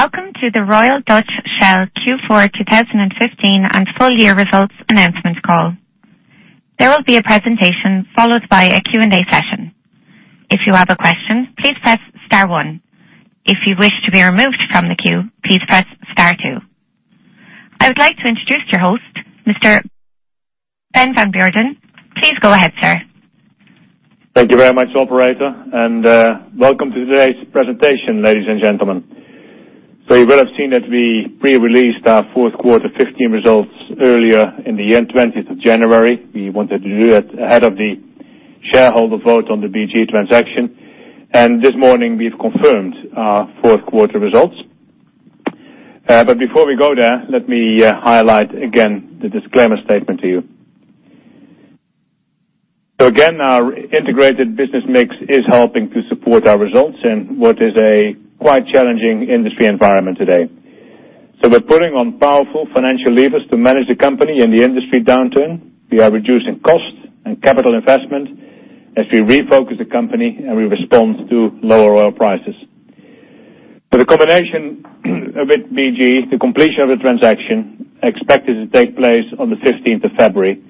Welcome to the Royal Dutch Shell Q4 2015 and full year results announcement call. There will be a presentation followed by a Q&A session. If you have a question, please press star one. If you wish to be removed from the queue, please press star two. I would like to introduce your host, Mr. Ben van Beurden. Please go ahead, sir. Thank you very much, operator, and welcome to today's presentation, ladies and gentlemen. You will have seen that we pre-released our fourth quarter 2015 results earlier in the year, 20th of January. We wanted to do that ahead of the shareholder vote on the BG transaction. This morning, we've confirmed our fourth quarter results. Before we go there, let me highlight again the disclaimer statement to you. Again, our integrated business mix is helping to support our results in what is a quite challenging industry environment today. We're pulling on powerful financial levers to manage the company in the industry downturn. We are reducing costs and capital investment as we refocus the company and we respond to lower oil prices. The combination with BG, the completion of the transaction, expected to take place on the 15th of February,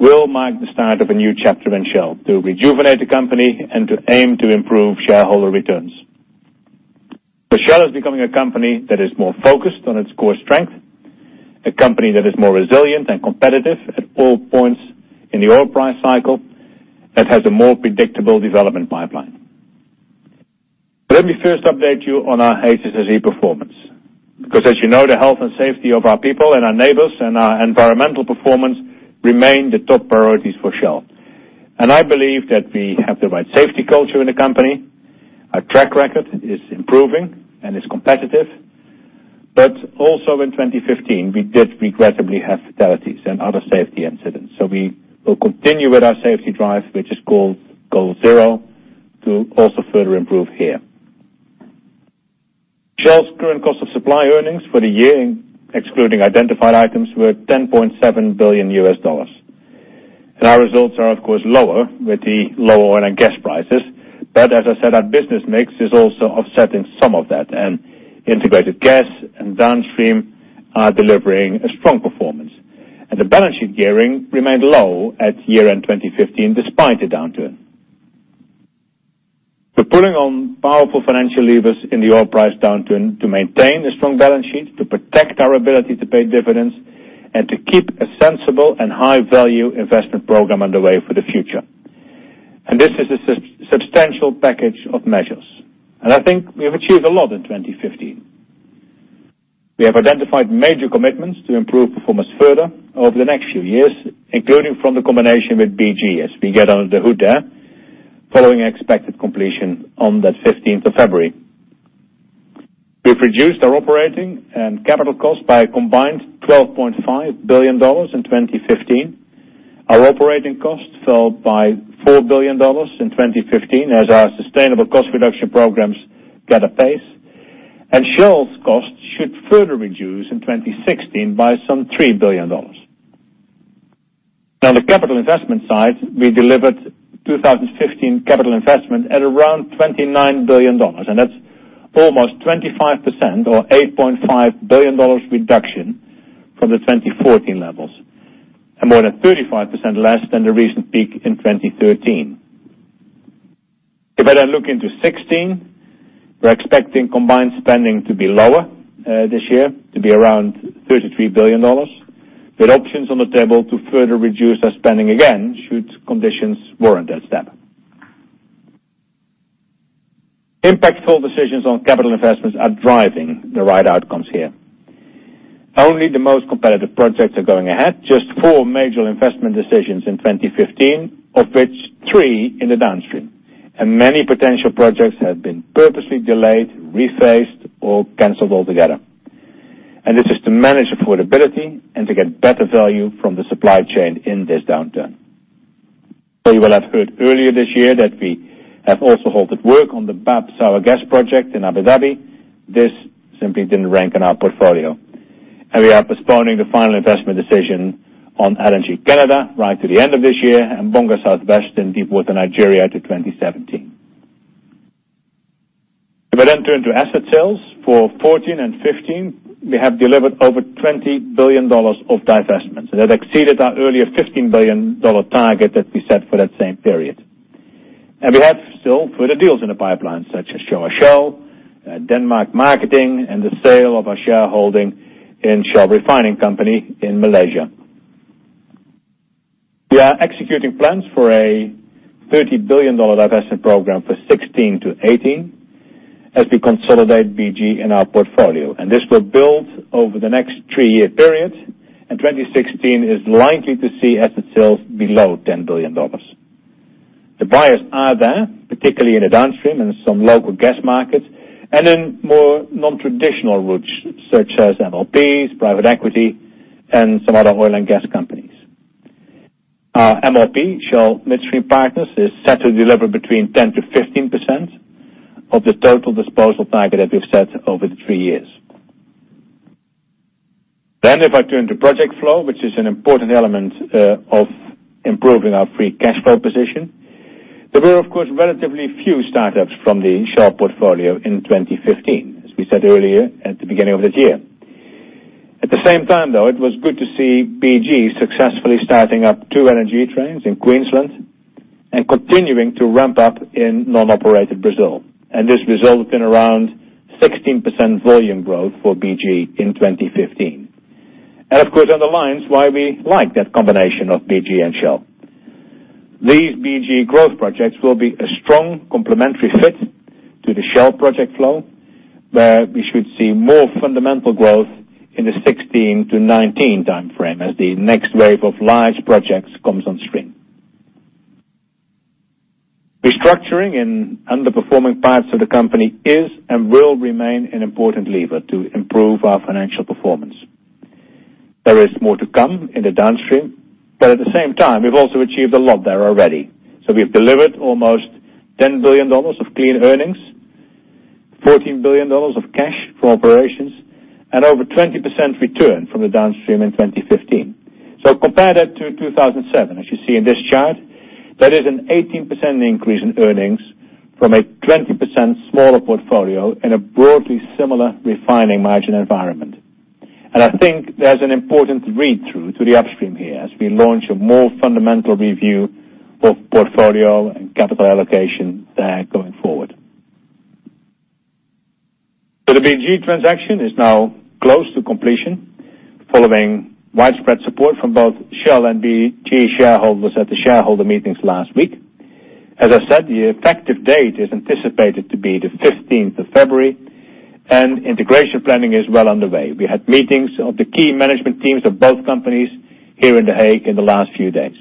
will mark the start of a new chapter in Shell to rejuvenate the company and to aim to improve shareholder returns. Shell is becoming a company that is more focused on its core strength, a company that is more resilient and competitive at all points in the oil price cycle, and has a more predictable development pipeline. Let me first update you on our HSSE performance, because as you know, the health and safety of our people and our neighbors and our environmental performance remain the top priorities for Shell. I believe that we have the right safety culture in the company. Our track record is improving and is competitive. Also in 2015, we did regrettably have fatalities and other safety incidents. We will continue with our safety drive, which is called Goal Zero, to also further improve here. Shell's current cost of supply earnings for the year, excluding identified items, were $10.7 billion. Our results are, of course, lower with the lower oil and gas prices. As I said, our business mix is also offsetting some of that, and integrated gas and downstream are delivering a strong performance. The balance sheet gearing remained low at year-end 2015, despite the downturn. We're pulling on powerful financial levers in the oil price downturn to maintain a strong balance sheet, to protect our ability to pay dividends, and to keep a sensible and high-value investment program underway for the future. This is a substantial package of measures. I think we have achieved a lot in 2015. We have identified major commitments to improve performance further over the next few years, including from the combination with BG as we get under the hood there, following expected completion on the 15th of February. We've reduced our operating and capital costs by a combined $12.5 billion in 2015. Our operating costs fell by $4 billion in 2015 as our sustainable cost reduction programs gather pace. Shell's costs should further reduce in 2016 by some $3 billion. Now, on the capital investment side, we delivered 2015 capital investment at around $29 billion. That's almost 25%, or $8.5 billion reduction from the 2014 levels, and more than 35% less than the recent peak in 2013. If I then look into 2016, we're expecting combined spending to be lower this year, to be around $33 billion, with options on the table to further reduce our spending again should conditions warrant that step. Impactful decisions on capital investments are driving the right outcomes here. Only the most competitive projects are going ahead. Just four major investment decisions in 2015, of which three in the downstream. Many potential projects have been purposely delayed, rephased, or canceled altogether. This is to manage affordability and to get better value from the supply chain in this downturn. You will have heard earlier this year that we have also halted work on the Bab sour gas project in Abu Dhabi. This simply didn't rank in our portfolio. We are postponing the final investment decision on LNG Canada right to the end of this year and Bonga South West in Deepwater, Nigeria, to 2017. If I turn to asset sales, for 2014 and 2015, we have delivered over $20 billion of divestments. That exceeded our earlier $15 billion target that we set for that same period. We have still further deals in the pipeline, such as Shell Malaysia, Denmark Marketing, and the sale of our shareholding in Shell Refining Company in Malaysia. We are executing plans for a $30 billion divestment program for 2016 to 2018 as we consolidate BG in our portfolio, this will build over the next three-year period, and 2016 is likely to see asset sales below $10 billion. The buyers are there, particularly in the downstream and some local gas markets, and in more non-traditional routes, such as MLPs, private equity, and some other oil and gas companies. Our MLP, Shell Midstream Partners, is set to deliver between 10%-15% of the total disposal target that we've set over the three years. If I turn to project flow, which is an important element of improving our free cash flow position. There were, of course, relatively few startups from the Shell portfolio in 2015, as we said earlier at the beginning of this year. At the same time, though, it was good to see BG successfully starting up two LNG trains in Queensland and continuing to ramp up in non-operated Brazil. This resulted in around 16% volume growth for BG in 2015. Of course, underlines why we like that combination of BG and Shell. These BG growth projects will be a strong complementary fit to the Shell project flow, where we should see more fundamental growth in the 2016 to 2019 time frame, as the next wave of large projects comes on stream. Restructuring in underperforming parts of the company is and will remain an important lever to improve our financial performance. There is more to come in the downstream, but at the same time, we've also achieved a lot there already. We've delivered almost $10 billion of clean earnings, $14 billion of cash from operations, and over 20% return from the downstream in 2015. Compare that to 2007. As you see in this chart, that is an 18% increase in earnings from a 20% smaller portfolio in a broadly similar refining margin environment. I think there's an important read-through to the upstream here as we launch a more fundamental review of portfolio and capital allocation there going forward. The BG transaction is now close to completion, following widespread support from both Shell and BG shareholders at the shareholder meetings last week. As I said, the effective date is anticipated to be the 15th of February, and integration planning is well underway. We had meetings of the key management teams of both companies here in The Hague in the last few days.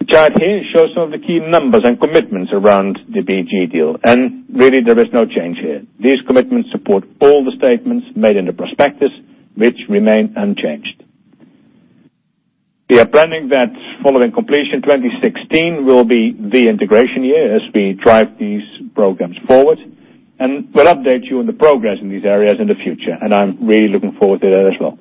The chart here shows some of the key numbers and commitments around the BG deal, and really there is no change here. These commitments support all the statements made in the prospectus, which remain unchanged. We are planning that following completion 2016 will be the integration year as we drive these programs forward. We'll update you on the progress in these areas in the future. I'm really looking forward to that as well.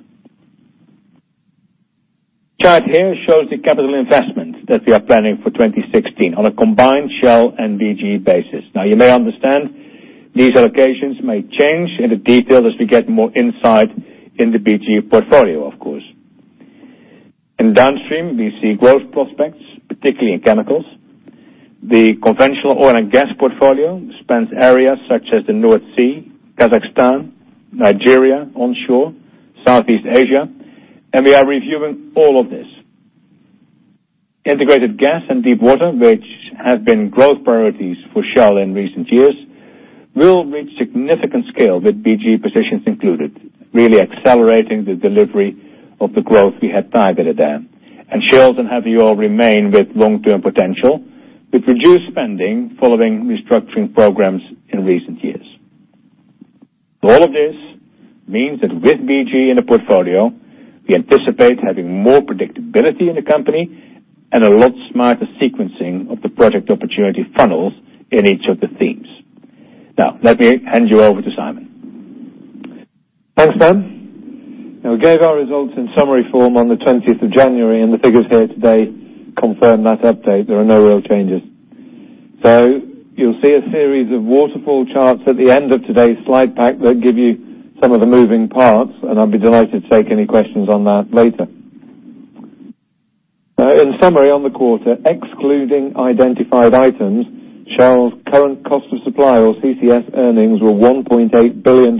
Chart here shows the capital investment that we are planning for 2016 on a combined Shell and BG basis. You may understand these allocations may change in the detail as we get more insight in the BG portfolio, of course. In downstream, we see growth prospects, particularly in chemicals. The conventional oil and gas portfolio spans areas such as the North Sea, Kazakhstan, Nigeria onshore, Southeast Asia, and we are reviewing all of this. Integrated gas and deep water, which have been growth priorities for Shell in recent years, will reach significant scale with BG positions included, really accelerating the delivery of the growth we had targeted there. Shell and have you all remain with long-term potential with reduced spending following restructuring programs in recent years. All of this means that with BG in the portfolio, we anticipate having more predictability in the company and a lot smarter sequencing of the project opportunity funnels in each of the themes. Let me hand you over to Simon. Thanks, Ben. We gave our results in summary form on the 20th of January, the figures here today confirm that update. There are no real changes. You'll see a series of waterfall charts at the end of today's slide pack that give you some of the moving parts, and I'll be delighted to take any questions on that later. In summary, on the quarter, excluding identified items, Shell's current cost of supply, or CCS, earnings were $1.8 billion.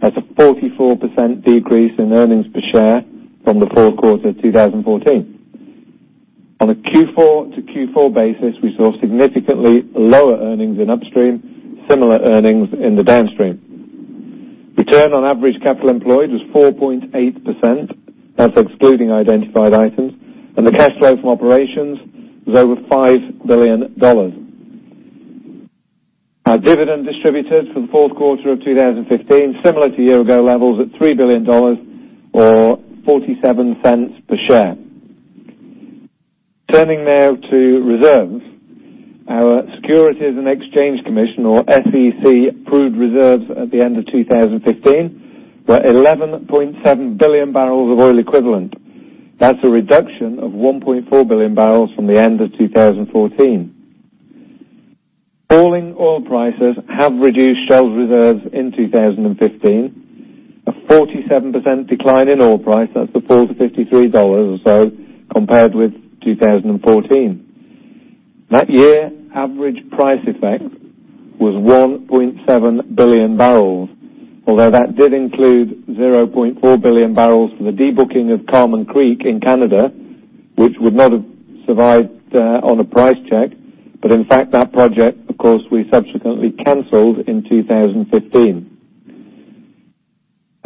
That's a 44% decrease in earnings per share from the fourth quarter of 2014. On a Q4 to Q4 basis, we saw significantly lower earnings in upstream, similar earnings in the downstream. Return on average capital employed was 4.8%. That's excluding identified items, the cash flow from operations was over $5 billion. Our dividend distributed for the fourth quarter of 2015 similar to year-ago levels at $3 billion or $0.47 per share. Turning now to reserves. Our Securities and Exchange Commission, or SEC, approved reserves at the end of 2015, were 11.7 billion barrels of oil equivalent. That's a reduction of 1.4 billion barrels from the end of 2014. Falling oil prices have reduced Shell reserves in 2015, a 47% decline in oil price, that's the $4 to $53 or so compared with 2014. That year, average price effect was 1.7 billion barrels, although that did include 0.4 billion barrels for the debooking of Carmon Creek in Canada, which would not have survived on a price check. In fact, that project, of course, we subsequently canceled in 2015.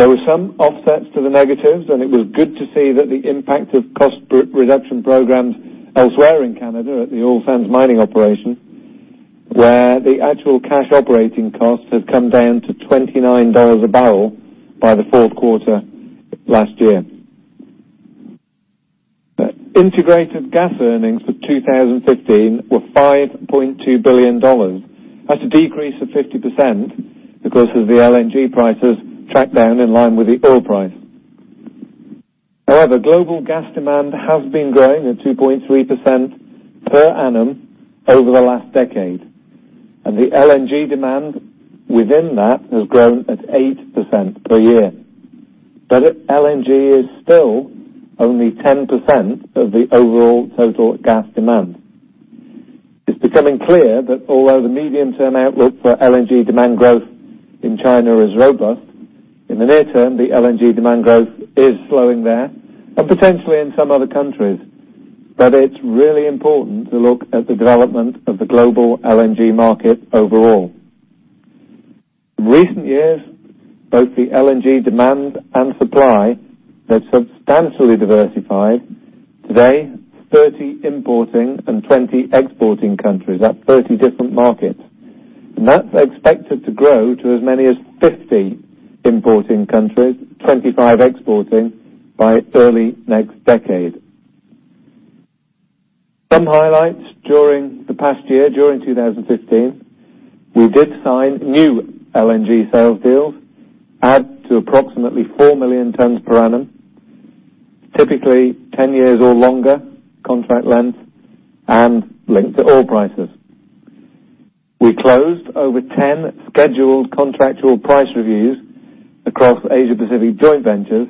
There were some offsets to the negatives, it was good to see that the impact of cost reduction programs elsewhere in Canada at the Oil Sands mining operation, where the actual cash operating costs have come down to $29 a barrel by the fourth quarter last year. Integrated gas earnings for 2015 were $5.2 billion. That's a decrease of 50% because of the LNG prices tracked down in line with the oil price. Global gas demand has been growing at 2.3% per annum over the last decade, the LNG demand within that has grown at 8% per year. LNG is still only 10% of the overall total gas demand. It's becoming clear that although the medium-term outlook for LNG demand growth in China is robust, in the near term, the LNG demand growth is slowing there and potentially in some other countries. It's really important to look at the development of the global LNG market overall. In recent years, both the LNG demand and supply have substantially diversified. Today, 30 importing and 20 exporting countries. That's 30 different markets, that's expected to grow to as many as 50 importing countries, 25 exporting by early next decade. Some highlights during the past year, during 2015, we did sign new LNG sales deals, add to approximately 4 million tons per annum, typically 10 years or longer contract lengths and linked to oil prices. We closed over 10 scheduled contractual price reviews across Asia Pacific joint ventures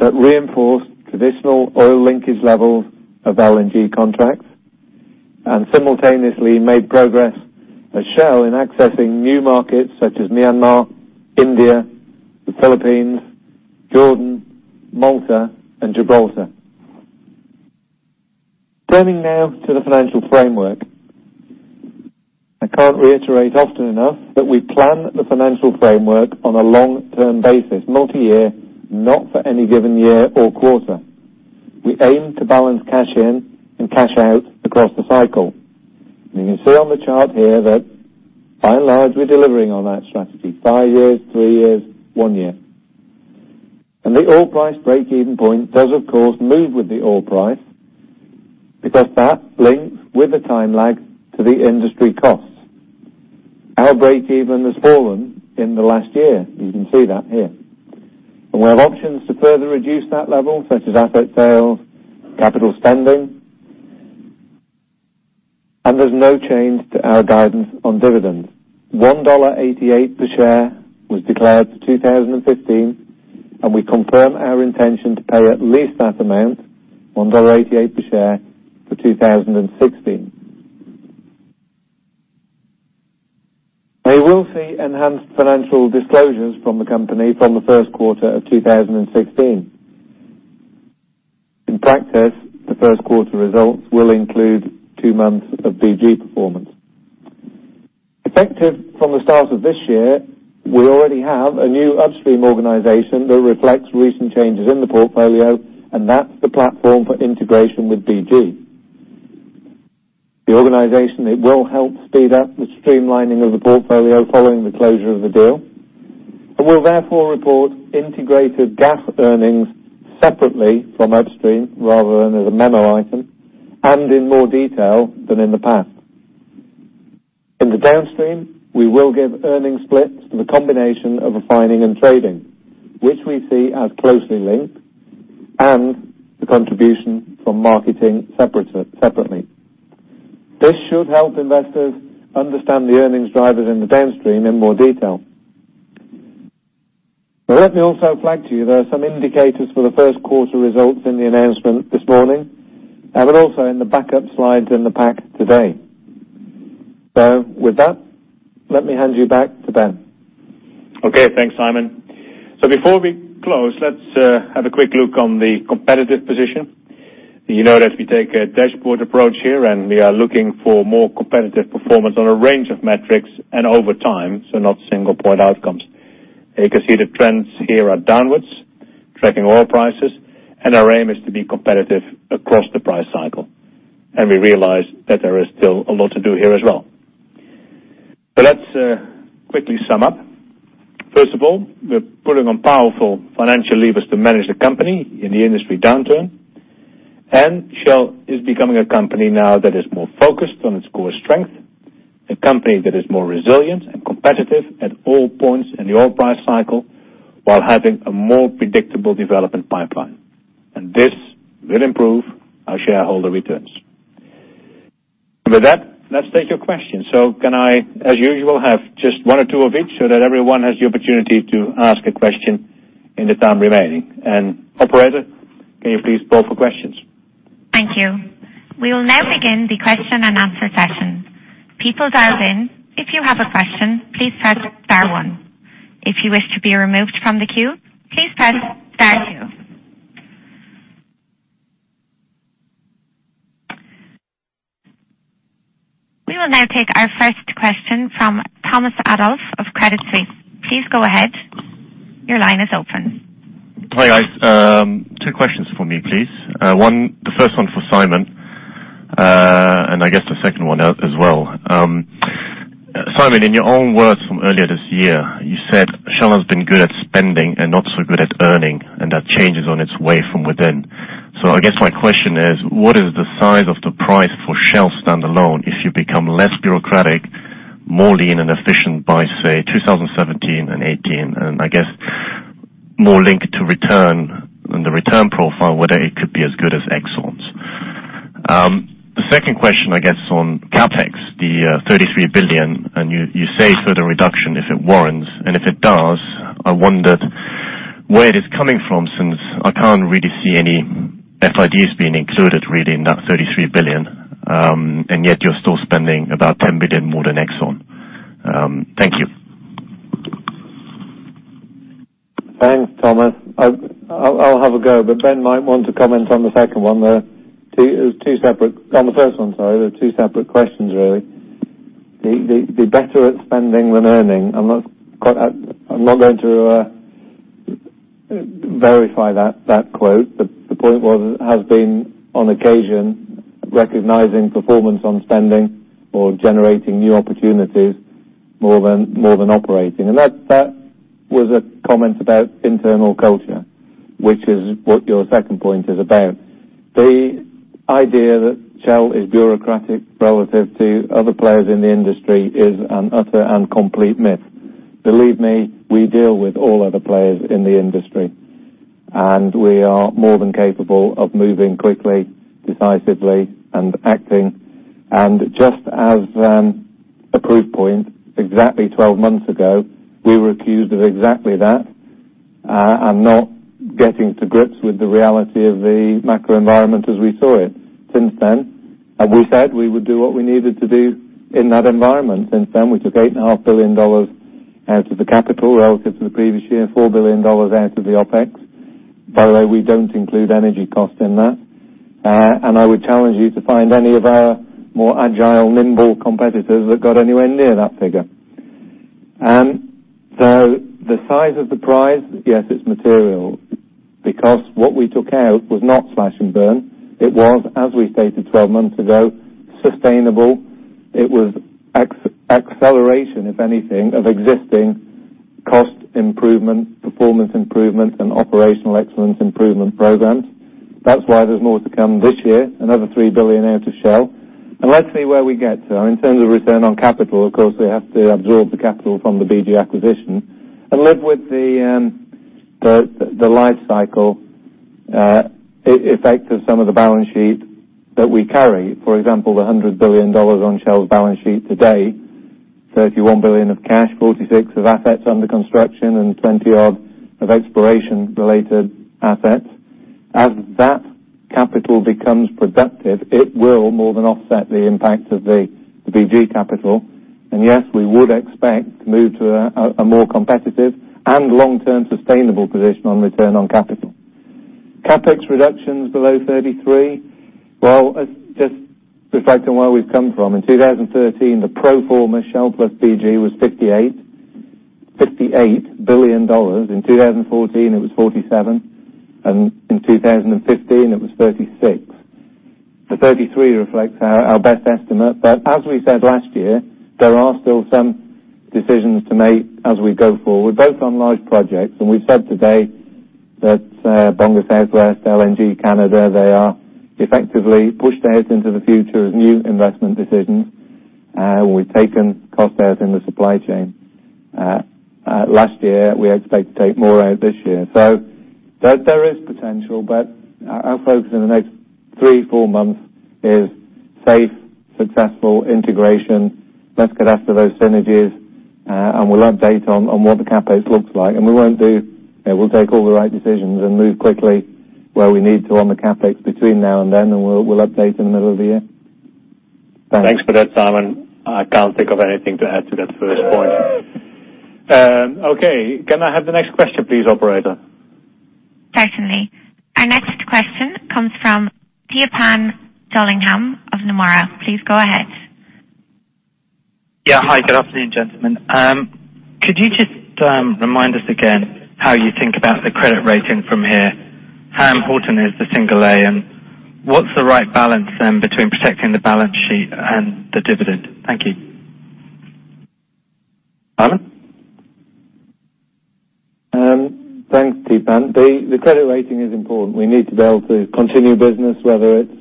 that reinforced traditional oil linkage levels of LNG contracts and simultaneously made progress at Shell in accessing new markets such as Myanmar, India, the Philippines, Jordan, Malta and Gibraltar. Turning now to the financial framework. I can't reiterate often enough that we plan the financial framework on a long-term basis, multi-year, not for any given year or quarter. We aim to balance cash in and cash out across the cycle. You can see on the chart here that by and large, we're delivering on that strategy five years, three years, one year. The oil price break-even point does, of course, move with the oil price because that links with a time lag to the industry costs. Our break-even has fallen in the last year. You can see that here. We have options to further reduce that level, such as asset sales, capital spending. There's no change to our guidance on dividends. $1.88 per share was declared for 2015, and we confirm our intention to pay at least that amount, $1.88 per share for 2016. You will see enhanced financial disclosures from the company from the first quarter of 2016. In practice, the first quarter results will include two months of BG performance. Effective from the start of this year, we already have a new Upstream organization that reflects recent changes in the portfolio, and that's the platform for integration with BG. The organization, it will help speed up the streamlining of the portfolio following the closure of the deal and will therefore report Integrated Gas earnings separately from Upstream rather than as a memo item and in more detail than in the past. In the Downstream, we will give earnings splits for the combination of refining and trading, which we see as closely linked, and the contribution from marketing separately. This should help investors understand the earnings drivers in the Downstream in more detail. Let me also flag to you there are some indicators for the first quarter results in the announcement this morning, and they're also in the backup slides in the pack today. With that, let me hand you back to Ben. Thanks, Simon. Before we close, let's have a quick look on the competitive position. You know that we take a dashboard approach here, and we are looking for more competitive performance on a range of metrics and over time, so not single point outcomes. You can see the trends here are downwards, tracking oil prices, and our aim is to be competitive across the price cycle. We realize that there is still a lot to do here as well. Let's quickly sum up. First of all, we're putting on powerful financial levers to manage the company in the industry downturn, and Shell is becoming a company now that is more focused on its core strength, a company that is more resilient and competitive at all points in the oil price cycle while having a more predictable development pipeline. This will improve our shareholder returns. With that, let's take your questions. Can I, as usual, have just one or two of each so that everyone has the opportunity to ask a question in the time remaining? Operator, can you please poll for questions? Thank you. We will now begin the question and answer session. People dialed in, if you have a question, please press star one. If you wish to be removed from the queue, please press star two. We will now take our first question from Thomas Adolff of Credit Suisse. Please go ahead. Your line is open. Hi, guys. Two questions for me, please. The first one for Simon, and I guess the second one as well. Simon, in your own words from earlier this year, you said Shell has been good at spending and not so good at earning, and that change is on its way from within. I guess my question is, what is the size of the price for Shell standalone if you become less bureaucratic, more lean and efficient by, say, 2017 and 2018, and I guess more linked to return on the return profile, whether it could be as good as Exxon's? The second question, I guess, on CapEx, the $33 billion. You say further reduction if it warrants. If it does, I wondered where it is coming from, since I can't really see any FIDs being included, really, in that $33 billion, yet you're still spending about $10 billion more than Exxon. Thank you. Thanks, Thomas. I'll have a go, but Ben might want to comment on the second one there. On the first one, sorry. There are two separate questions, really. The better at spending than earning. I'm not going to verify that quote, but the point has been, on occasion, recognizing performance on spending or generating new opportunities more than operating. That was a comment about internal culture, which is what your second point is about. The idea that Shell is bureaucratic relative to other players in the industry is an utter and complete myth. Believe me, we deal with all other players in the industry, and we are more than capable of moving quickly, decisively, and acting. Just as a proof point, exactly 12 months ago, we were accused of exactly that, and not getting to grips with the reality of the macro environment as we saw it. Since then, as we said, we would do what we needed to do in that environment. Since then, we took $8.5 billion out of the capital relative to the previous year, $4 billion out of the OpEx. By the way, we don't include energy cost in that. I would challenge you to find any of our more agile, nimble competitors that got anywhere near that figure. The size of the prize, yes, it's material, because what we took out was not slash and burn. It was, as we stated 12 months ago, sustainable. It was acceleration, if anything, of existing cost improvement, performance improvement, and operational excellence improvement programs. That's why there's more to come this year, another $3 billion out to Shell. Let's see where we get to. In terms of return on capital, of course, we have to absorb the capital from the BG acquisition and live with the life cycle effect of some of the balance sheet that we carry. For example, the $100 billion on Shell's balance sheet today, $31 billion of cash, $46 billion of assets under construction, and $20 billion odd of exploration-related assets. As that capital becomes productive, it will more than offset the impact of the BG capital. Yes, we would expect to move to a more competitive and long-term sustainable position on return on capital. CapEx reductions below $33 billion. Well, just reflecting where we've come from. In 2013, the pro forma Shell plus BG was $58 billion. In 2014, it was $47 billion, and in 2015, it was $36 billion. The $33 billion reflects our best estimate, but as we said last year, there are still some decisions to make as we go forward, both on large projects. We've said today that Bonga South West, LNG Canada, they are effectively pushed ahead into the future as new investment decisions. We've taken costs out in the supply chain last year, we expect to take more out this year. There is potential, but our focus in the next three, four months is safe, successful integration. Let's get after those synergies, and we'll update on what the CapEx looks like. We'll take all the right decisions and move quickly where we need to on the CapEx between now and then, and we'll update in the middle of the year. Thanks. Thanks for that, Simon. I can't think of anything to add to that first point. Okay. Can I have the next question please, operator? Certainly. Our next question comes from Theepan Jothilingam of Nomura. Please go ahead. Yeah. Hi, good afternoon, gentlemen. Could you just remind us again how you think about the credit rating from here? How important is the single A, what's the right balance then between protecting the balance sheet and the dividend? Thank you. Simon? Thanks, Theepan. The credit rating is important. We need to be able to continue business, whether it's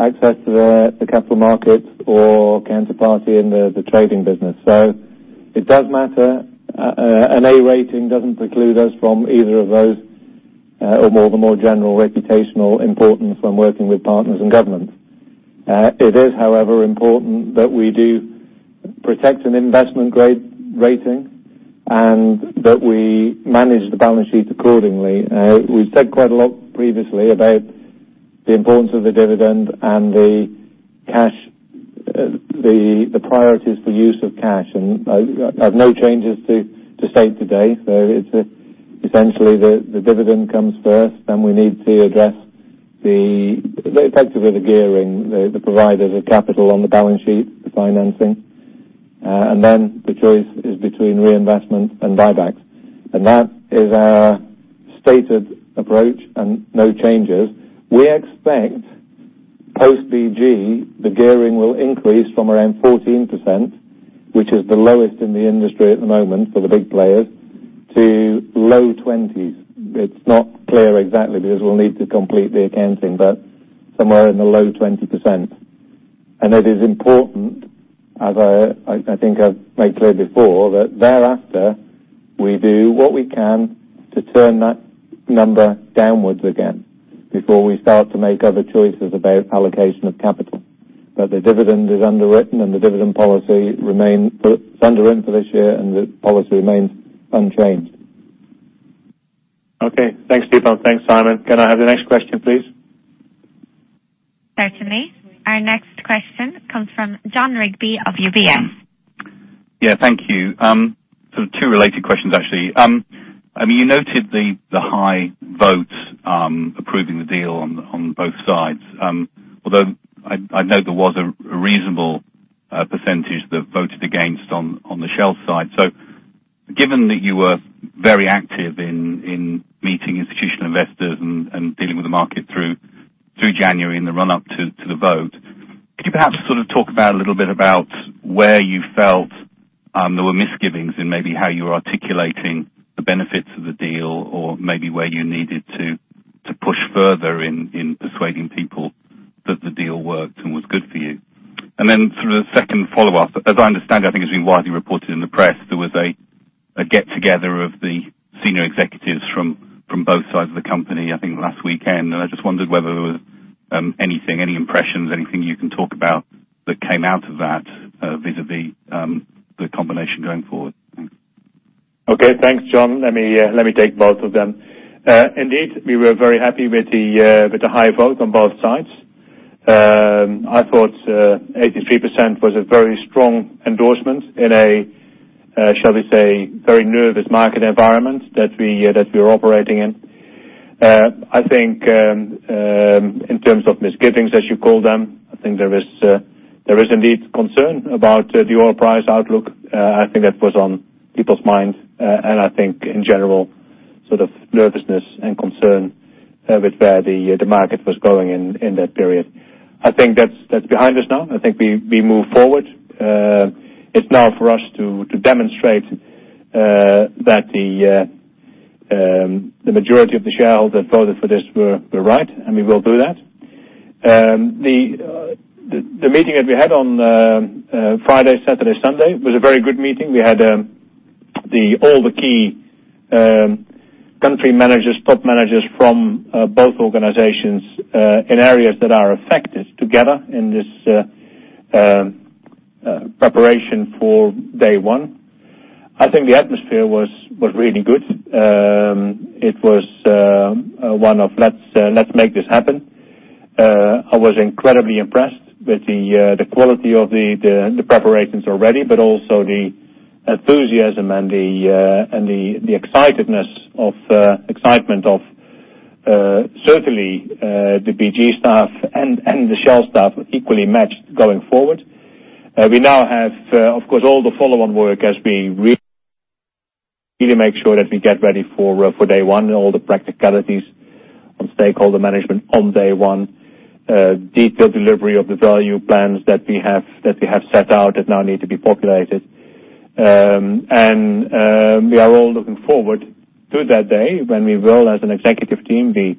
access to the capital markets or counterparty in the trading business. It does matter. An A rating doesn't preclude us from either of those, or more the more general reputational importance when working with partners and governments. It is, however, important that we do protect an investment-grade rating and that we manage the balance sheet accordingly. We've said quite a lot previously about the importance of the dividend and the priorities for use of cash, I've no changes to state today. Essentially, the dividend comes first, we need to address effectively the gearing, the providers of capital on the balance sheet, the financing. The choice is between reinvestment and buybacks. That is our stated approach and no changes. We expect Post BG, the gearing will increase from around 14%, which is the lowest in the industry at the moment for the big players, to low 20s. It's not clear exactly because we'll need to complete the accounting, but somewhere in the low 20%. It is important, as I think I've made clear before, that thereafter, we do what we can to turn that number downwards again before we start to make other choices about allocation of capital. The dividend is underwritten, and the dividend policy remains put. It's underwritten for this year, and the policy remains unchanged. Okay. Thanks, Theepan. Thanks, Simon. Can I have the next question, please? Certainly. Our next question comes from Jon Rigby of UBS. Yeah. Thank you. Sort of two related questions, actually. You noted the high votes approving the deal on both sides. Although, I know there was a reasonable percentage that voted against on the Shell side. Given that you were very active in meeting institutional investors and dealing with the market through January in the run-up to the vote, could you perhaps sort of talk about a little bit about where you felt there were misgivings in maybe how you were articulating the benefits of the deal or maybe where you needed to push further in persuading people that the deal worked and was good for you? Then sort of the second follow-up. As I understand, I think it's been widely reported in the press, there was a get-together of the senior executives from both sides of the company, I think last weekend. I just wondered whether there was anything, any impressions, anything you can talk about that came out of that, vis-a-vis the combination going forward. Thanks. Okay. Thanks, Jon. Let me take both of them. Indeed, we were very happy with the high vote on both sides. I thought 83% was a very strong endorsement in a, shall we say, very nervous market environment that we are operating in. I think in terms of misgivings, as you call them, I think there is indeed concern about the oil price outlook. I think that was on people's minds. I think in general, sort of nervousness and concern with where the market was going in that period. I think that's behind us now. I think we move forward. It's now for us to demonstrate that the majority of the shareholders that voted for this were right, and we will do that. The meeting that we had on Friday, Saturday, Sunday, was a very good meeting. We had all the key country managers, top managers from both organizations in areas that are affected together in this preparation for day one. I think the atmosphere was really good. It was one of let's make this happen. I was incredibly impressed with the quality of the preparations already, but also the enthusiasm and the excitement of certainly the BG staff and the Shell staff equally matched going forward. We now have, of course, all the follow-on work has been really make sure that we get ready for day one, all the practicalities on stakeholder management on day one. Detailed delivery of the value plans that we have set out that now need to be populated. We are all looking forward to that day when we will, as an executive team, be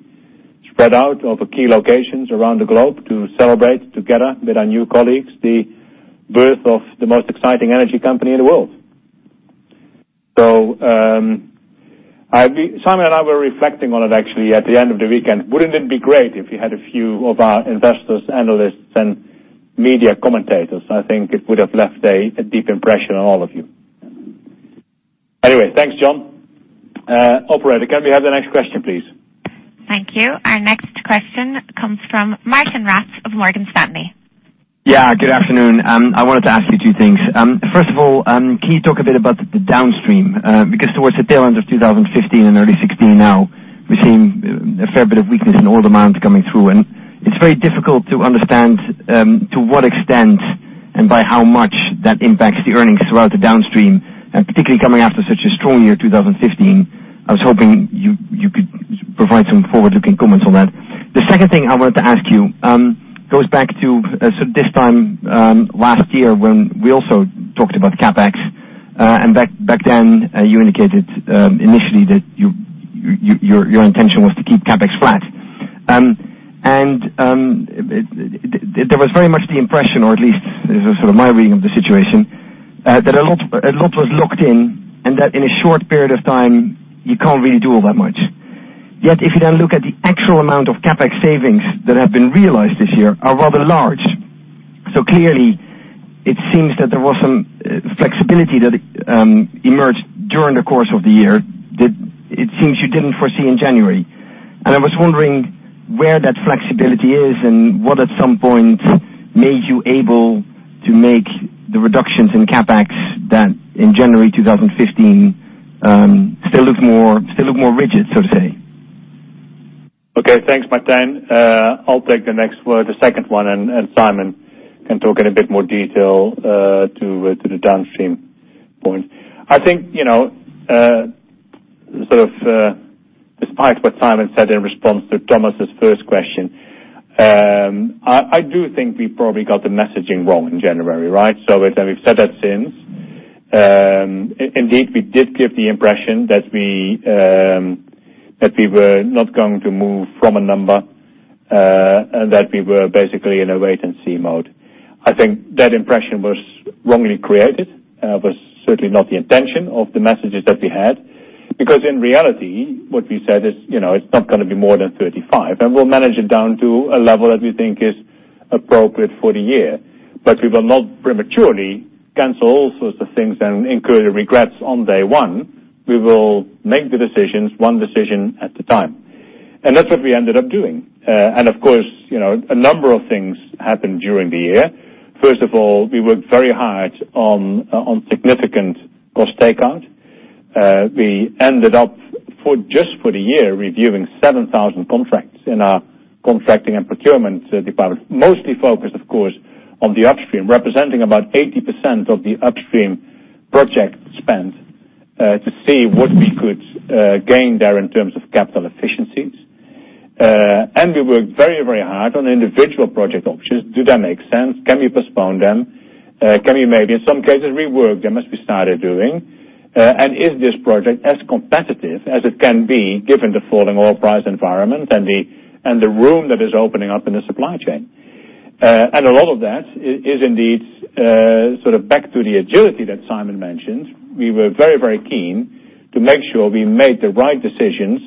spread out over key locations around the globe to celebrate together with our new colleagues, the birth of the most exciting energy company in the world. Simon and I were reflecting on it actually at the end of the weekend. Wouldn't it be great if we had a few of our investors, analysts, and media commentators? I think it would have left a deep impression on all of you. Anyway, thanks, Jon. Operator, can we have the next question, please? Thank you. Our next question comes from Martijn Rats of Morgan Stanley. Yeah. Good afternoon. I wanted to ask you two things. First of all, can you talk a bit about the downstream? Because towards the tail end of 2015 and early 2016 now, we're seeing a fair bit of weakness in oil demand coming through, and it's very difficult to understand to what extent and by how much that impacts the earnings throughout the downstream, and particularly coming after such a strong year 2015. I was hoping you could provide some forward-looking comments on that. The second thing I wanted to ask you goes back to sort of this time last year when we also talked about CapEx. Back then, you indicated initially that your intention was to keep CapEx flat. There was very much the impression, or at least this is sort of my reading of the situation, that a lot was locked in, and that in a short period of time, you can't really do all that much. Yet, if you then look at the actual amount of CapEx savings that have been realized this year are rather large. Clearly it seems that there was some flexibility that emerged during the course of the year that it seems you didn't foresee in January. I was wondering where that flexibility is and what at some point made you able to make the reductions in CapEx that in January 2015 still look more rigid, so to say. Okay. Thanks, Martijn. I'll take the next one, the second one, and Simon can talk in a bit more detail to the downstream point. I think Despite what Simon said in response to Thomas' first question, I do think we probably got the messaging wrong in January, right? We've said that since. Indeed, we did give the impression that we were not going to move from a number, and that we were basically in a wait-and-see mode. I think that impression was wrongly created. It was certainly not the intention of the messages that we had. In reality, what we said is, it's not going to be more than $35, and we'll manage it down to a level that we think is appropriate for the year. We will not prematurely cancel all sorts of things and incur regrets on day one. We will make the decisions one decision at a time. That's what we ended up doing. Of course, a number of things happened during the year. First of all, we worked very hard on significant cost takeout. We ended up, just for the year, reviewing 7,000 contracts in our contracting and procurement department. Mostly focused, of course, on the upstream, representing about 80% of the upstream project spend, to see what we could gain there in terms of capital efficiencies. We worked very hard on individual project options. Do they make sense? Can we postpone them? Can we maybe, in some cases, rework them, as we started doing? Is this project as competitive as it can be given the falling oil price environment and the room that is opening up in the supply chain? A lot of that is indeed sort of back to the agility that Simon mentioned. We were very keen to make sure we made the right decisions,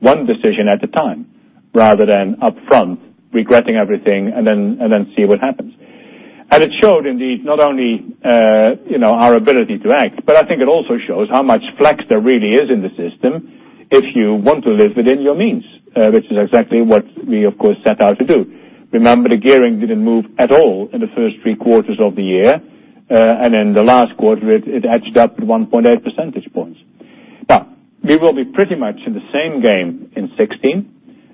one decision at a time, rather than upfront regretting everything and then see what happens. It showed, indeed, not only our ability to act, but I think it also shows how much flex there really is in the system if you want to live within your means, which is exactly what we of course set out to do. Remember, the gearing didn't move at all in the first three quarters of the year. In the last quarter, it edged up 1.8 percentage points. Now, we will be pretty much in the same game in 2016.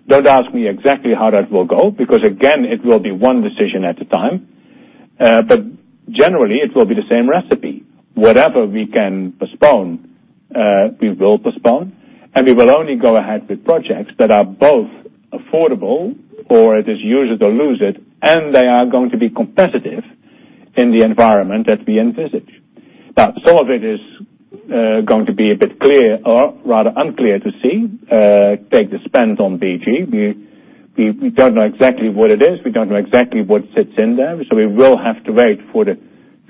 Don't ask me exactly how that will go, because again, it will be one decision at a time. Generally, it will be the same recipe. Whatever we can postpone, we will postpone, and we will only go ahead with projects that are both affordable, or it is use it or lose it, and they are going to be competitive in the environment that we envisage. Now, some of it is going to be a bit clear or rather unclear to see. Take the spend on BG. We don't know exactly what it is. We don't know exactly what sits in there, so we will have to wait for the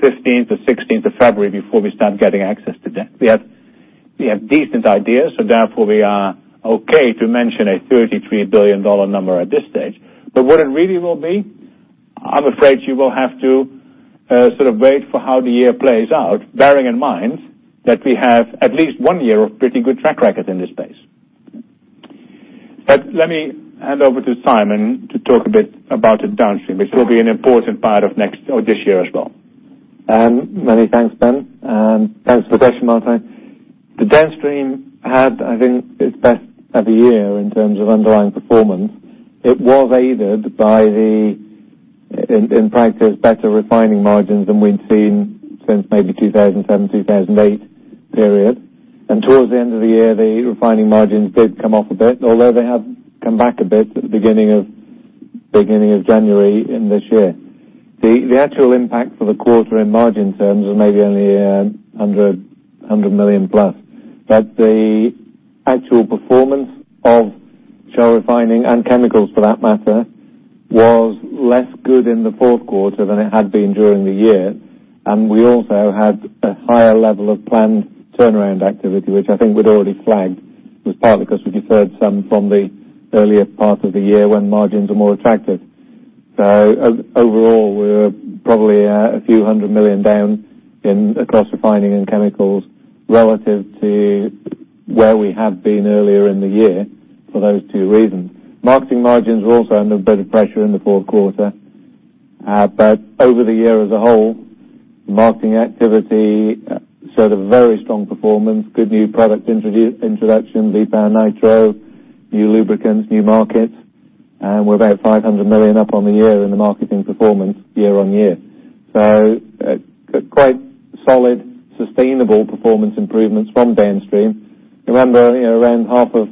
15th or 16th of February before we start getting access to that. We have decent ideas, so therefore we are okay to mention a $33 billion number at this stage. What it really will be, I'm afraid you will have to sort of wait for how the year plays out, bearing in mind that we have at least one year of pretty good track record in this space. Let me hand over to Simon to talk a bit about the downstream, which will be an important part of this year as well. Many thanks, Ben. Thanks for the question, Martjin. The Downstream had, I think, its best-ever year in terms of underlying performance. It was aided by the, in practice, better refining margins than we'd seen since maybe 2007, 2008 period. Towards the end of the year, the refining margins did come off a bit, although they have come back a bit at the beginning of January in this year. The actual impact for the quarter in margin terms was maybe only $100 million-plus. The actual performance of Shell Refining and Chemicals, for that matter, was less good in the fourth quarter than it had been during the year. We also had a higher level of planned turnaround activity, which I think we'd already flagged. It was partly because we deferred some from the earlier part of the year when margins were more attractive. Overall, we're probably $a few hundred million down across Refining and Chemicals relative to where we had been earlier in the year for those two reasons. Marketing margins were also under a bit of pressure in the fourth quarter. Over the year as a whole, marketing activity showed a very strong performance. Good new product introduction, V-Power NiTRO+, new lubricants, new markets, and we're about $500 million up on the year in the marketing performance year-on-year. Quite solid, sustainable performance improvements from Downstream. Remember, around half of,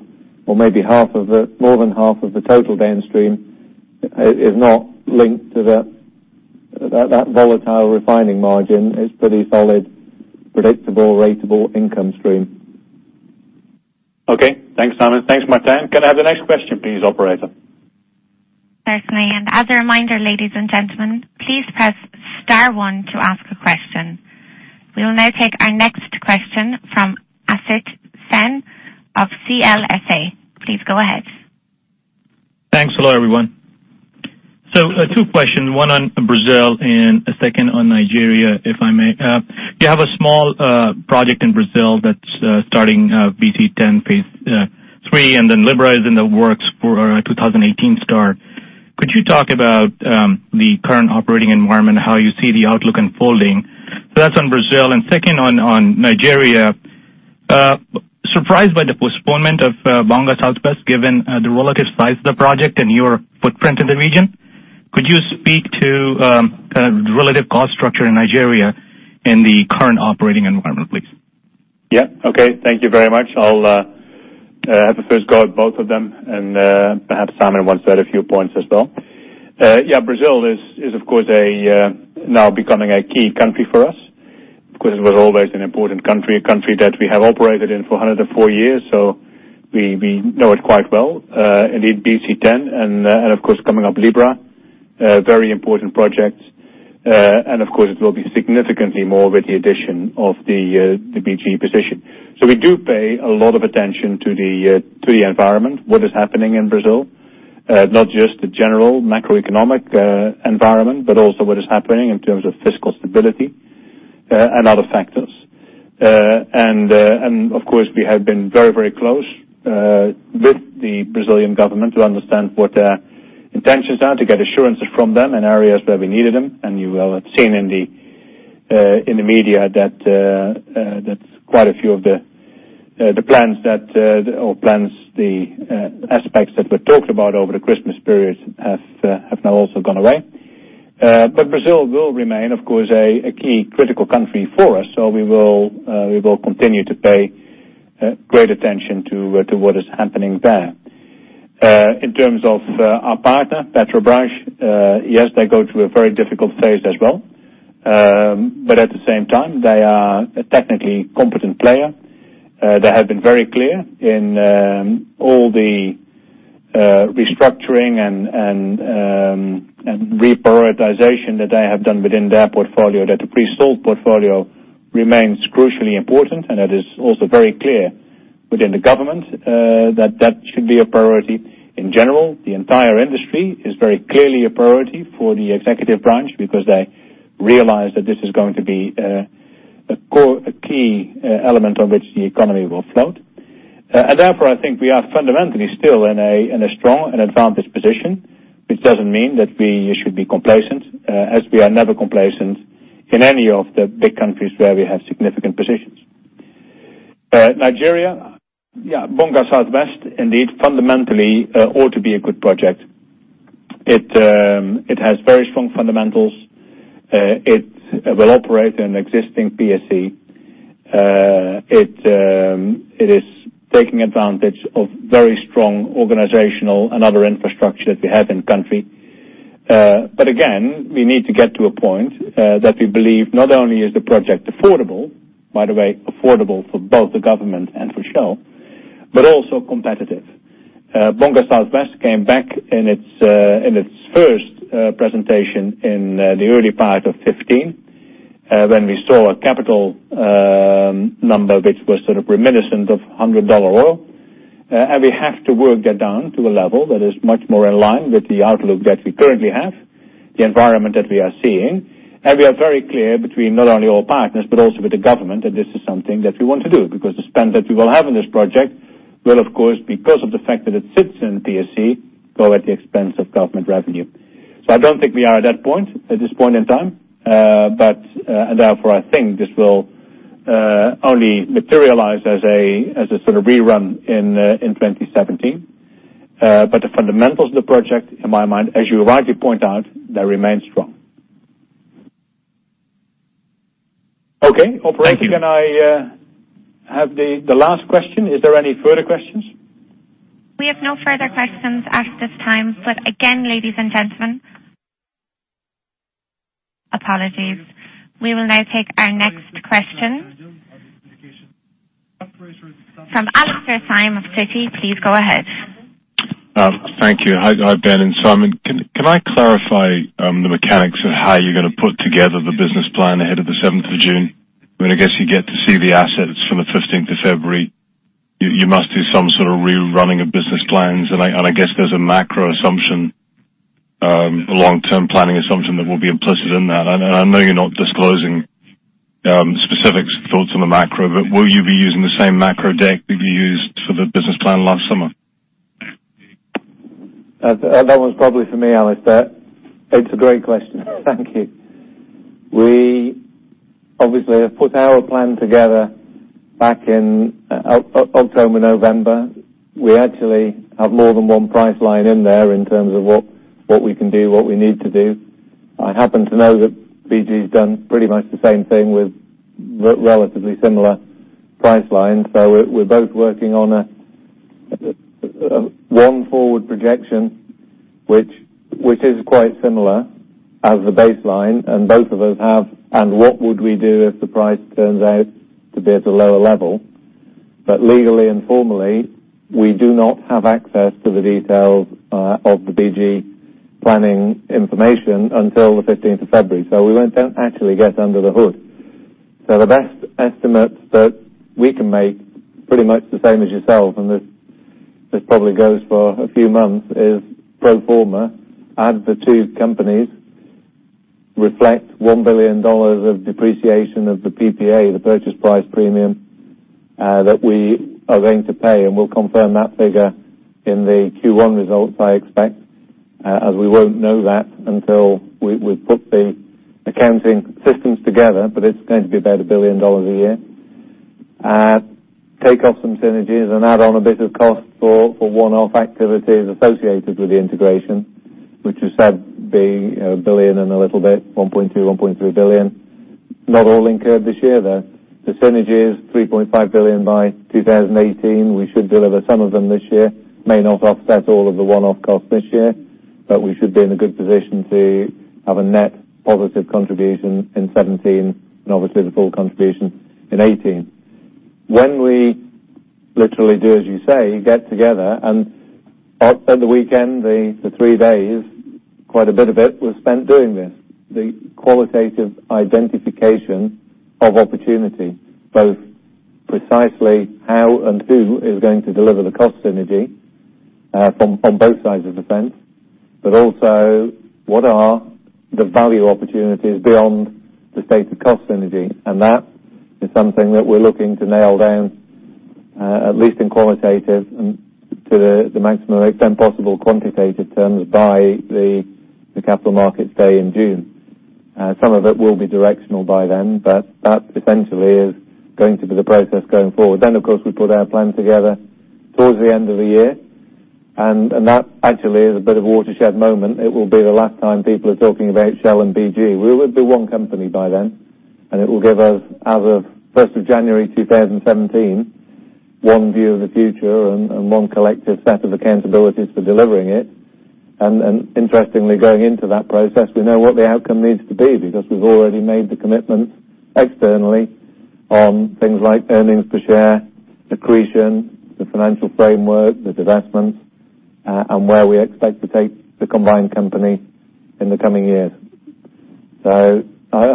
or maybe more than half of the total Downstream is not linked to that volatile refining margin. It's pretty solid, predictable, ratable income stream. Okay. Thanks, Simon. Thanks, Martjin. Can I have the next question please, operator? Certainly. As a reminder, ladies and gentlemen, please press *1 to ask a question. We will now take our next question from Asit Sen of CLSA. Please go ahead. Thanks. Hello, everyone. Two questions, one on Brazil and a second on Nigeria, if I may. You have a small project in Brazil that's starting BC-10, phase 3, and then Libra is in the works for a 2018 start. Could you talk about the current operating environment, how you see the outlook unfolding? That's on Brazil, and second on Nigeria. Surprised by the postponement of Bonga South West, given the relative size of the project and your footprint in the region. Could you speak to the relative cost structure in Nigeria in the current operating environment, please? Thank you very much. I'll have a first go at both of them and perhaps Simon wants to add a few points as well. Brazil is now becoming a key country for us, because it was always an important country, a country that we have operated in for 104 years, so we know it quite well. Indeed, BC-10 and of course, coming up Libra, very important projects. Of course, it will be significantly more with the addition of the BG position. We do pay a lot of attention to the environment, what is happening in Brazil, not just the general macroeconomic environment, but also what is happening in terms of fiscal stability and other factors. Of course, we have been very close with the Brazilian government to understand what their intentions are, to get assurances from them in areas where we needed them. You will have seen in the media that quite a few of the aspects that were talked about over the Christmas period have now also gone away. Brazil will remain, of course, a key critical country for us, so we will continue to pay great attention to what is happening there. In terms of our partner, Petrobras, yes, they go through a very difficult phase as well. At the same time, they are a technically competent player. They have been very clear in all the restructuring and reprioritization that they have done within their portfolio, that the pre-salt portfolio remains crucially important. It is also very clear within the government that should be a priority. In general, the entire industry is very clearly a priority for the executive branch because they realize that this is going to be a key element on which the economy will float. Therefore, I think we are fundamentally still in a strong and advantaged position, which doesn't mean that we should be complacent, as we are never complacent in any of the big countries where we have significant positions. Nigeria, Bonga South West indeed fundamentally ought to be a good project. It has very strong fundamentals. It will operate an existing FPSO. It is taking advantage of very strong organizational and other infrastructure that we have in the country. Again, we need to get to a point that we believe not only is the project affordable, by the way, affordable for both the government and for Shell, but also competitive. Bonga South West came back in its first presentation in the early part of 2015, when we saw a capital number which was sort of reminiscent of $100 oil. We have to work that down to a level that is much more in line with the outlook that we currently have, the environment that we are seeing. We are very clear between not only all partners, but also with the government, that this is something that we want to do, because the spend that we will have on this project will, of course, because of the fact that it sits in PSE, go at the expense of government revenue. I don't think we are at that point at this point in time. Therefore, I think this will only materialize as a sort of rerun in 2017. The fundamentals of the project, in my mind, as you rightly point out, they remain strong. Okay, operator- Thank you Can I have the last question? Is there any further questions? We have no further questions at this time. Again, ladies and gentlemen Apologies. We will now take our next question from Alastair Syme of Citi. Please go ahead. Thank you. Hi, Ben and Simon. Can I clarify the mechanics of how you're going to put together the business plan ahead of the 7th of June? You get to see the assets from the 15th of February. You must do some sort of rerunning of business plans, and there's a macro assumption, a long-term planning assumption that will be implicit in that. I know you're not disclosing specifics thoughts on the macro, but will you be using the same macro deck that you used for the business plan last summer? That one's probably for me, Alastair. It's a great question. Thank you. We obviously have put our plan together back in October, November. We actually have more than one price line in there in terms of what we can do, what we need to do. I happen to know that BG's done pretty much the same thing with relatively similar price lines. We're both working on one forward projection, which is quite similar as the baseline, and both of us have, and what would we do if the price turns out to be at a lower level. Legally and formally, we do not have access to the details of the BG planning information until the 15th of February. We won't actually get under the hood. The best estimates that we can make, pretty much the same as yourself, and this probably goes for a few months, is pro forma, add the two companies, reflect $1 billion of depreciation of the PPA, the purchase price premium that we are going to pay, and we'll confirm that figure in the Q1 results, I expect, as we won't know that until we've put the accounting systems together, but it's going to be about $1 billion a year. Take off some synergies and add on a bit of cost for one-off activities associated with the integration, which you said being a billion and a little bit, $1.2 billion, $1.3 billion. Not all incurred this year, though. The synergy is $3.5 billion by 2018. We should deliver some of them this year. May not offset all of the one-off costs this year, but we should be in a good position to have a net positive contribution in 2017 and obviously the full contribution in 2018. When we literally do, as you say, get together and outside the weekend, the 3 days, quite a bit of it was spent doing this. The qualitative identification of opportunity, both precisely how and who is going to deliver the cost synergy, from both sides of the fence. What are the value opportunities beyond the state of cost synergy? That is something that we're looking to nail down, at least in qualitative and to the maximum extent possible quantitative terms by the capital markets day in June. Some of it will be directional by then. That essentially is going to be the process going forward. Of course, we put our plan together towards the end of the year, and that actually is a bit of a watershed moment. It will be the last time people are talking about Shell and BG. We will be one company by then, and it will give us, as of 1st of January 2017, one view of the future and one collective set of accountabilities for delivering it. Interestingly, going into that process, we know what the outcome needs to be because we've already made the commitment externally on things like earnings per share, accretion, the financial framework, the divestments, and where we expect to take the combined company in the coming years. I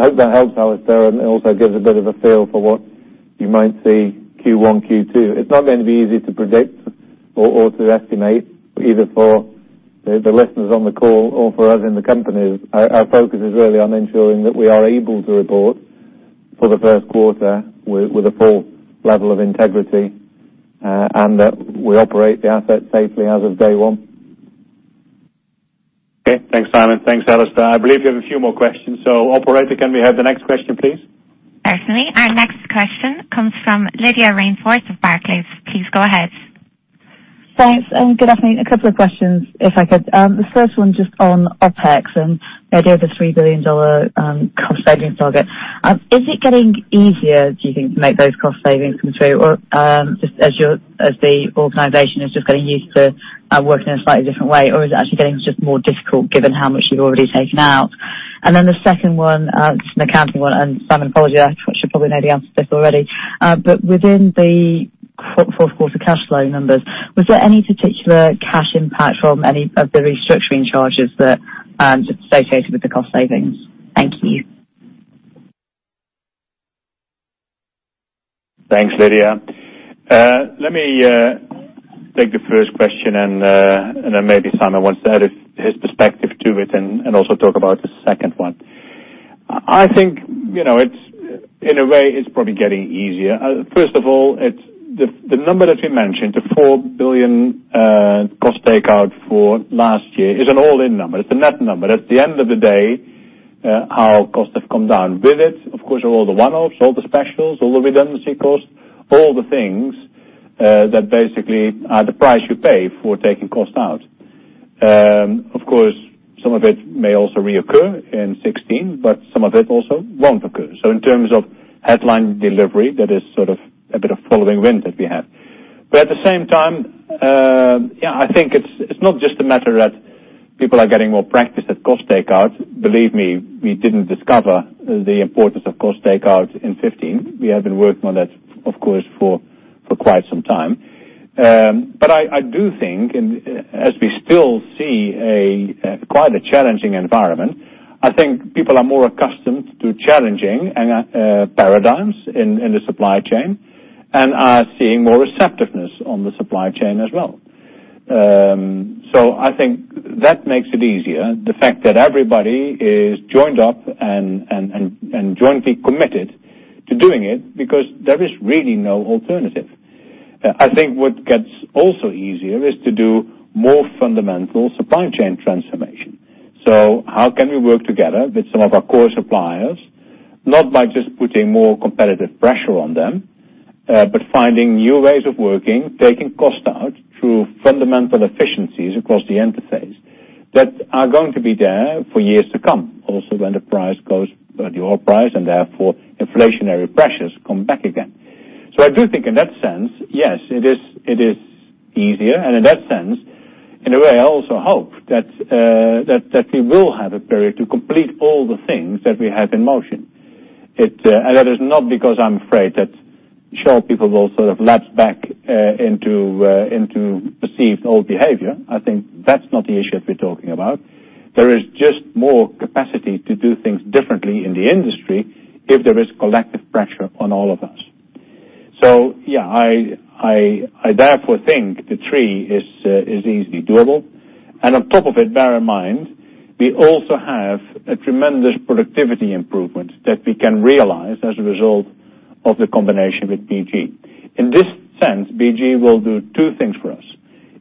hope that helps, Alastair, and it also gives a bit of a feel for what you might see Q1, Q2. It's not going to be easy to predict or to estimate either for the listeners on the call or for us in the company. Our focus is really on ensuring that we are able to report for the first quarter with a full level of integrity, and that we operate the asset safely as of day one. Okay. Thanks, Simon. Thanks, Alastair. I believe we have a few more questions. Operator, can we have the next question, please? Certainly. Our next question comes from Lydia Rainforth of Barclays. Please go ahead. Thanks. Good afternoon. A couple of questions if I could. The first one just on OpEx and the idea of the $3 billion cost savings target. Is it getting easier, do you think, to make those cost savings come through? Or just as the organization is just getting used to working a slightly different way? Or is it actually getting just more difficult given how much you've already taken out? The second one, just an accounting one, and Simon, apologies, I should probably know the answer to this already. Within the fourth quarter cash flow numbers, was there any particular cash impact from any of the restructuring charges that associated with the cost savings? Thank you. Thanks, Lydia. Let me take the first question. Then maybe Simon wants to add his perspective to it and also talk about the second one. I think, in a way, it's probably getting easier. First of all, the number that we mentioned, the $4 billion cost takeout for last year is an all-in number. It's a net number. At the end of the day, our costs have come down with it. Of course, all the one-offs, all the specials, all the redundancy costs, all the things that basically are the price you pay for taking costs out. Of course, some of it may also reoccur in 2016, but some of it also won't occur. In terms of headline delivery, that is sort of a bit of following wind that we have. At the same time, yeah, I think it's not just a matter that people are getting more practice at cost takeout. Believe me, we didn't discover the importance of cost takeout in 2015. We have been working on that, of course, for quite some time. I do think as we still see quite a challenging environment, I think people are more accustomed to challenging paradigms in the supply chain and are seeing more receptiveness on the supply chain as well. I think that makes it easier. The fact that everybody is joined up and jointly committed to doing it because there is really no alternative. I think what gets also easier is to do more fundamental supply chain transformation. How can we work together with some of our core suppliers, not by just putting more competitive pressure on them, but finding new ways of working, taking cost out through fundamental efficiencies across the interface that are going to be there for years to come also when the price goes, the oil price, and therefore inflationary pressures come back again. I do think in that sense, yes, it is easier. In that sense, in a way, I also hope that we will have a period to complete all the things that we have in motion. That is not because I am afraid that Shell people will sort of lapse back into perceived old behavior. I think that's not the issue we're talking about. There is just more capacity to do things differently in the industry if there is collective pressure on all of us. I therefore think the three is easily doable. On top of it, bear in mind, we also have a tremendous productivity improvement that we can realize as a result of the combination with BG. In this sense, BG will do two things for us.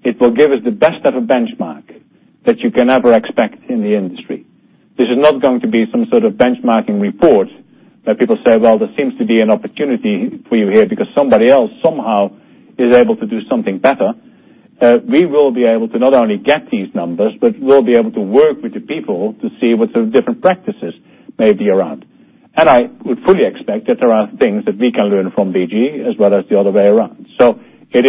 It will give us the best of a benchmark that you can ever expect in the industry. This is not going to be some sort of benchmarking report where people say, "Well, there seems to be an opportunity for you here because somebody else somehow is able to do something better." We will be able to not only get these numbers, but we'll be able to work with the people to see what the different practices may be around. I would fully expect that there are things that we can learn from BG as well as the other way around. It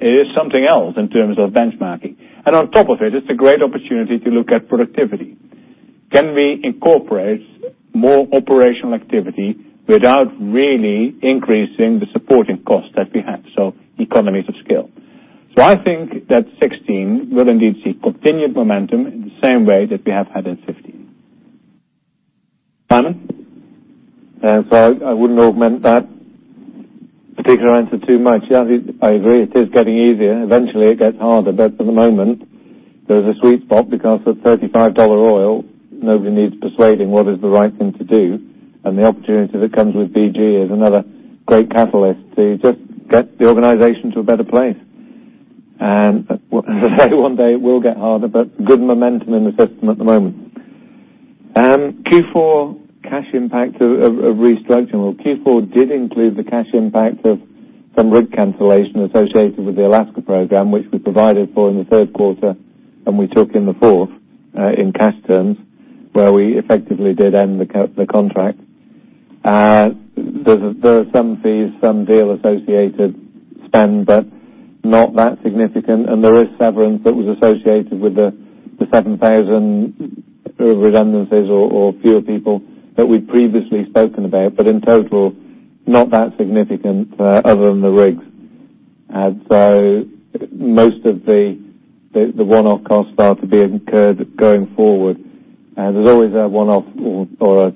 is something else in terms of benchmarking. On top of it's a great opportunity to look at productivity. Can we incorporate more operational activity without really increasing the supporting costs that we have? Economies of scale. I think that 2016 will indeed see continued momentum in the same way that we have had in 2015. Simon? I wouldn't augment that particular answer too much. I agree it is getting easier. Eventually, it gets harder. For the moment, there's a sweet spot because at $35 oil, nobody needs persuading what is the right thing to do. The opportunity that comes with BG is another great catalyst to just get the organization to a better place. One day, it will get harder, but good momentum in the system at the moment. Q4 cash impact of restructuring. Q4 did include the cash impact of some rig cancellation associated with the Alaska program, which we provided for in the third quarter, and we took in the fourth, in cash terms, where we effectively did end the contract. There are some fees, some deal associated spend, but not that significant. There is severance that was associated with the 7,000 redundancies or fewer people that we'd previously spoken about. In total, not that significant other than the rigs. Most of the one-off costs start to be incurred going forward. There's always a one-off or a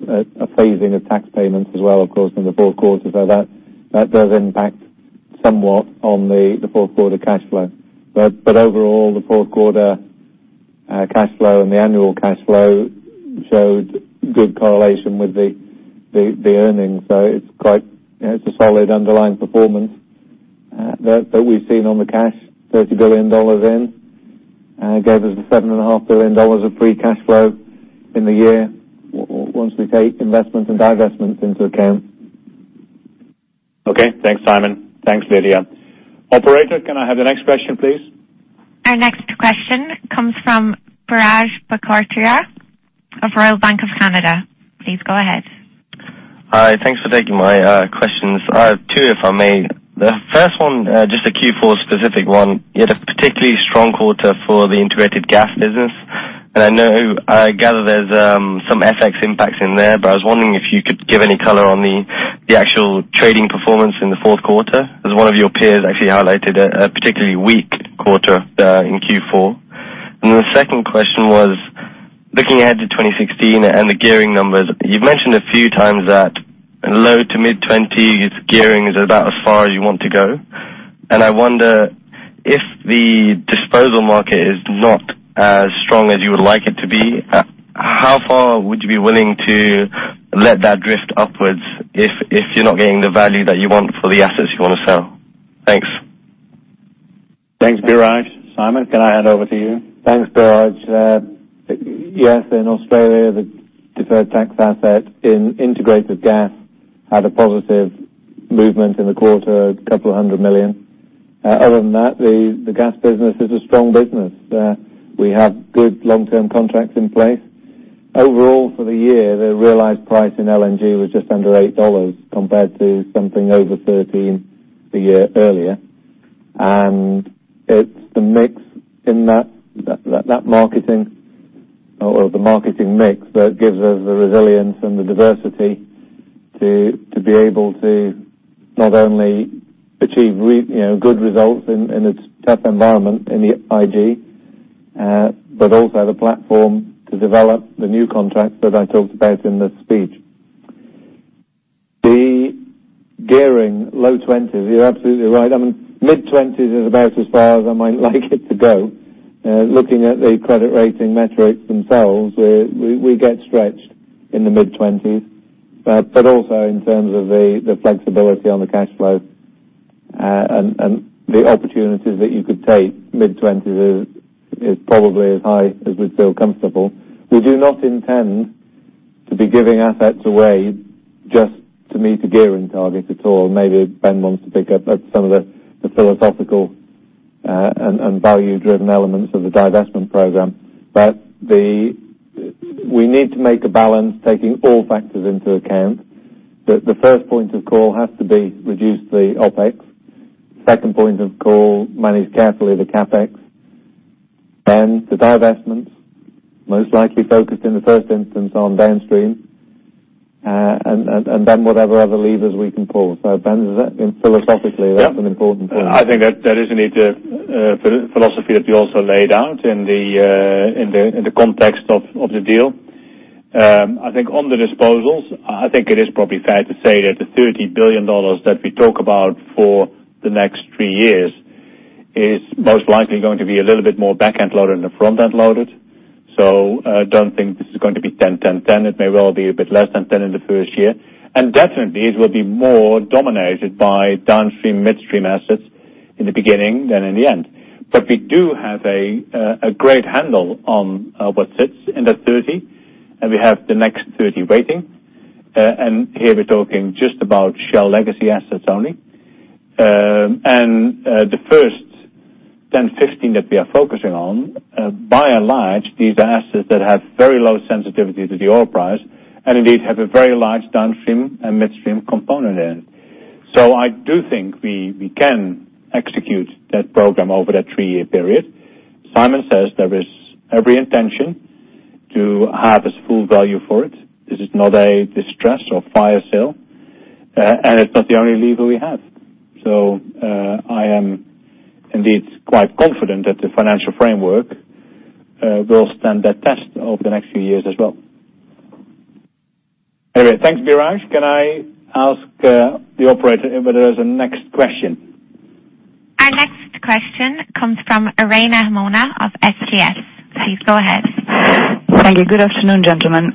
phasing of tax payments as well, of course, in the fourth quarter. That does impact somewhat on the fourth quarter cash flow. Overall, the fourth quarter cash flow and the annual cash flow showed good correlation with the earnings. It's a solid underlying performance that we've seen on the cash, $30 billion in. It gave us a $7.5 billion of free cash flow in the year once we take investments and divestments into account. Okay, thanks, Simon. Thanks, Lydia. Operator, can I have the next question, please? Our next question comes from Biraj Borkhataria of Royal Bank of Canada. Please go ahead. Hi. Thanks for taking my questions. I have two, if I may. The first one, just a Q4 specific one. You had a particularly strong quarter for the Integrated Gas business. I gather there's some FX impacts in there, but I was wondering if you could give any color on the actual trading performance in the fourth quarter, as one of your peers actually highlighted a particularly weak quarter in Q4. The second question was looking ahead to 2016 and the gearing numbers. You've mentioned a few times that low to mid-20s gearing is about as far as you want to go. I wonder if the disposal market is not as strong as you would like it to be, how far would you be willing to let that drift upwards if you're not getting the value that you want for the assets you want to sell? Thanks. Thanks, Biraj. Simon, can I hand over to you? Thanks, Biraj. Yes, in Australia, the deferred tax asset in Integrated Gas had a positive movement in the quarter, a couple of $100 million. Other than that, the gas business is a strong business. We have good long-term contracts in place. Overall, for the year, the realized price in LNG was just under $8 compared to something over $13 the year earlier. It's the mix in that marketing or the marketing mix that gives us the resilience and the diversity to be able to not only achieve good results in a tough environment in the IG, but also the platform to develop the new contracts that I talked about in the speech. The gearing low 20s, you're absolutely right. Mid-20s is about as far as I might like it to go. Looking at the credit rating metrics themselves, we get stretched in the mid-20s, but also in terms of the flexibility on the cash flow and the opportunities that you could take mid-20s is probably as high as we feel comfortable. We do not intend to be giving assets away just to meet a gearing target at all. Maybe Ben wants to pick up some of the philosophical and value-driven elements of the divestment program. We need to make a balance, taking all factors into account, that the first point of call has to be reduce the OpEx. Second point of call, manage carefully the CapEx. The divestments, most likely focused in the first instance on downstream, and then whatever other levers we can pull. Ben, philosophically, that's an important point. I think that is indeed a philosophy that you also laid out in the context of the deal. I think on the disposals, I think it is probably fair to say that the $30 billion that we talk about for the next three years is most likely going to be a little bit more back-end loaded than the front-end loaded. I don't think this is going to be 10, 10. It may well be a bit less than 10 in the first year, and definitely it will be more dominated by downstream midstream assets in the beginning than in the end. We do have a great handle on what sits in that 30, and we have the next 30 waiting. Here we're talking just about Shell legacy assets only. The first 10, 15 that we are focusing on, by and large, these are assets that have very low sensitivity to the oil price, and indeed have a very large downstream and midstream component in. I do think we can execute that program over that three-year period. Simon says there is every intention to have this full value for it. This is not a distress or fire sale, and it's not the only lever we have. I am indeed quite confident that the financial framework will stand that test over the next few years as well. Anyway, thanks, Biraj. Can I ask the operator whether there is a next question? Our next question comes from Irene Himona of Societe Generale. Please go ahead. Thank you. Good afternoon, gentlemen.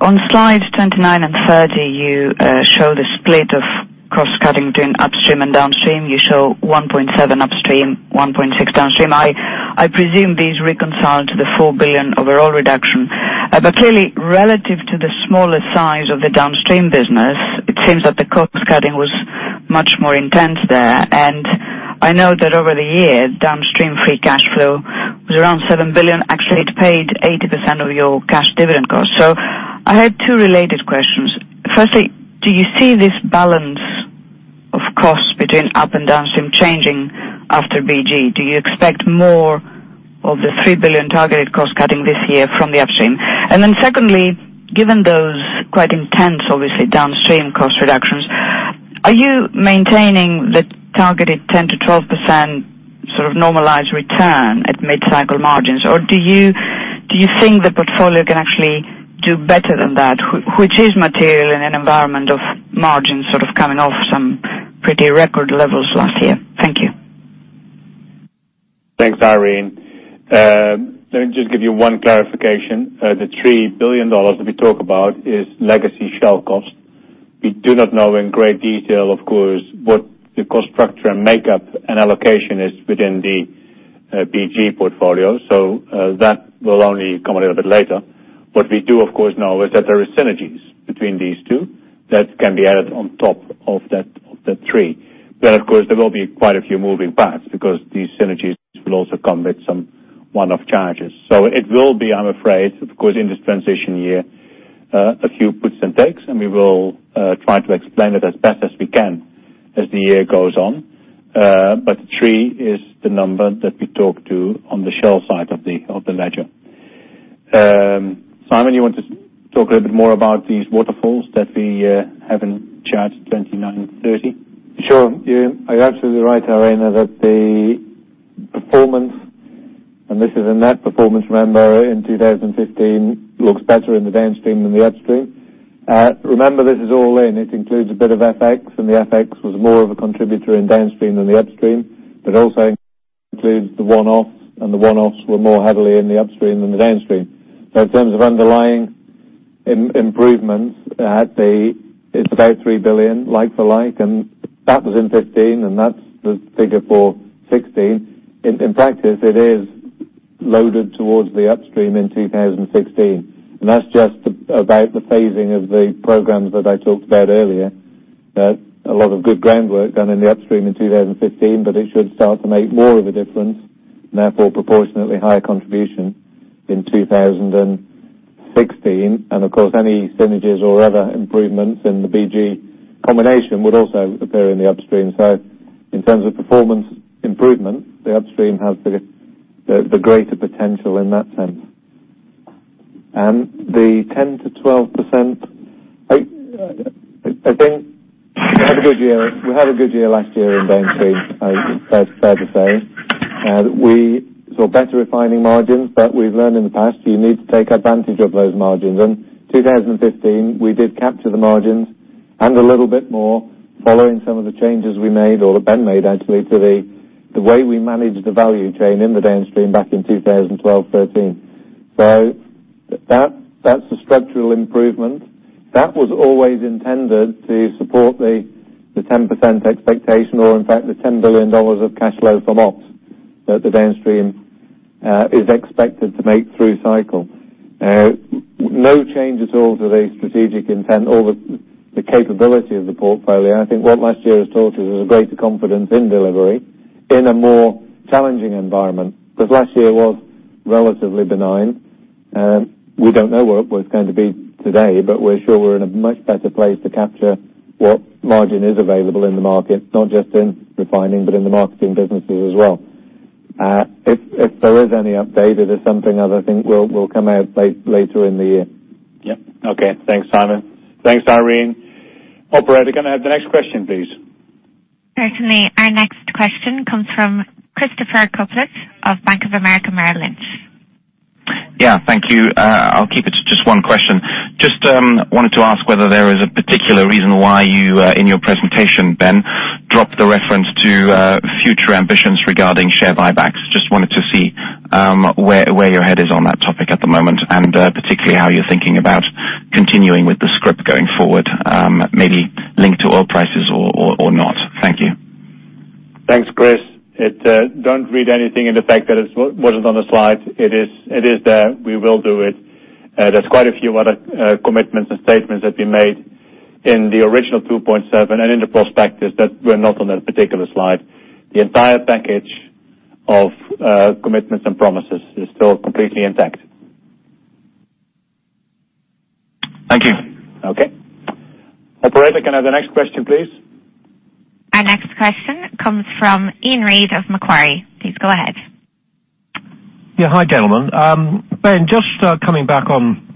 On slides 29 and 30, you show the split of cost cutting between upstream and downstream. You show $1.7 upstream, $1.6 downstream. I presume these reconcile to the $4 billion overall reduction. Clearly, relative to the smaller size of the downstream business, it seems that the cost cutting was much more intense there. I know that over the year, downstream free cash flow was around $7 billion. Actually, it paid 80% of your cash dividend cost. I had two related questions. Firstly, do you see this balance of cost between up- and downstream changing after BG Group? Do you expect more of the $3 billion targeted cost cutting this year from the upstream? Secondly, given those quite intense, obviously, downstream cost reductions, are you maintaining the targeted 10%-12% sort of normalized return at mid-cycle margins? Do you think the portfolio can actually do better than that, which is material in an environment of margins sort of coming off some pretty record levels last year? Thank you. Thanks, Irene Himona. Let me just give you one clarification. The $3 billion that we talk about is legacy Shell cost. We do not know in great detail, of course, what the cost structure and makeup and allocation is within the BG portfolio. That will only come a little bit later. What we do, of course, know is that there are synergies between these two that can be added on top of that three. Of course, there will be quite a few moving parts because these synergies will also come with some one-off charges. It will be, I'm afraid, of course, in this transition year, a few puts and takes, and we will try to explain it as best as we can as the year goes on. But three is the number that we talk to on the Shell side of the ledger. Simon, you want to talk a little bit more about these waterfalls that we have in chart 29, 30? Sure. You are absolutely right, Irene Himona, that the performance, and this is a net performance, remember, in 2015, looks better in the downstream than the upstream. Remember, this is all in. It includes a bit of FX, and the FX was more of a contributor in downstream than the upstream, but also includes the one-offs, and the one-offs were more heavily in the upstream than the downstream. In terms of underlying improvements, it's about $3 billion, like for like, and that was in 2015, and that's the figure for 2016. In practice, it is loaded towards the upstream in 2016. That's just about the phasing of the programs that I talked about earlier. A lot of good groundwork done in the upstream in 2015, but it should start to make more of a difference, and therefore, proportionately higher contribution in 2016. Of course, any synergies or other improvements in the BG combination would also appear in the upstream. In terms of performance improvement, the upstream has the greater potential in that sense. The 10%-12%, I think we had a good year last year in downstream, it's fair to say. We saw better refining margins, but we've learned in the past you need to take advantage of those margins. In 2015, we did capture the margins and a little bit more following some of the changes we made, or that Ben made, actually, to the way we managed the value chain in the downstream back in 2012, 2013. That's a structural improvement. That was always intended to support the 10% expectation or in fact, the $10 billion of cash flow from ops that the downstream is expected to make through cycle. No change at all to the strategic intent or the capability of the portfolio. I think what last year has taught us is a greater confidence in delivery in a more challenging environment, because last year was relatively benign. We don't know what it's going to be today, but we're sure we're in a much better place to capture what margin is available in the market, not just in refining, but in the marketing businesses as well. If there is any update, it is something that I think will come out later in the year. Yep. Okay. Thanks, Simon. Thanks, Irene. Operator, can I have the next question, please? Certainly. Our next question comes from Christopher Kuplent of Bank of America Merrill Lynch. Yeah. Thank you. I'll keep it to just one question. Just wanted to ask whether there is a particular reason why you, in your presentation, Ben dropped the reference to future ambitions regarding share buybacks. Just wanted to see where your head is on that topic at the moment, and particularly how you're thinking about continuing with the script going forward, maybe linked to oil prices or not. Thank you. Thanks, Chris. Don't read anything into the fact that it wasn't on the slide. It is there. We will do it. There's quite a few other commitments and statements that we made in the original 2.7 and in the prospectus that were not on that particular slide. The entire package of commitments and promises is still completely intact. Thank you. Okay. Operator, can I have the next question, please? Our next question comes from Iain Reid of Macquarie. Please go ahead. Yeah. Hi, gentlemen. Ben, just coming back on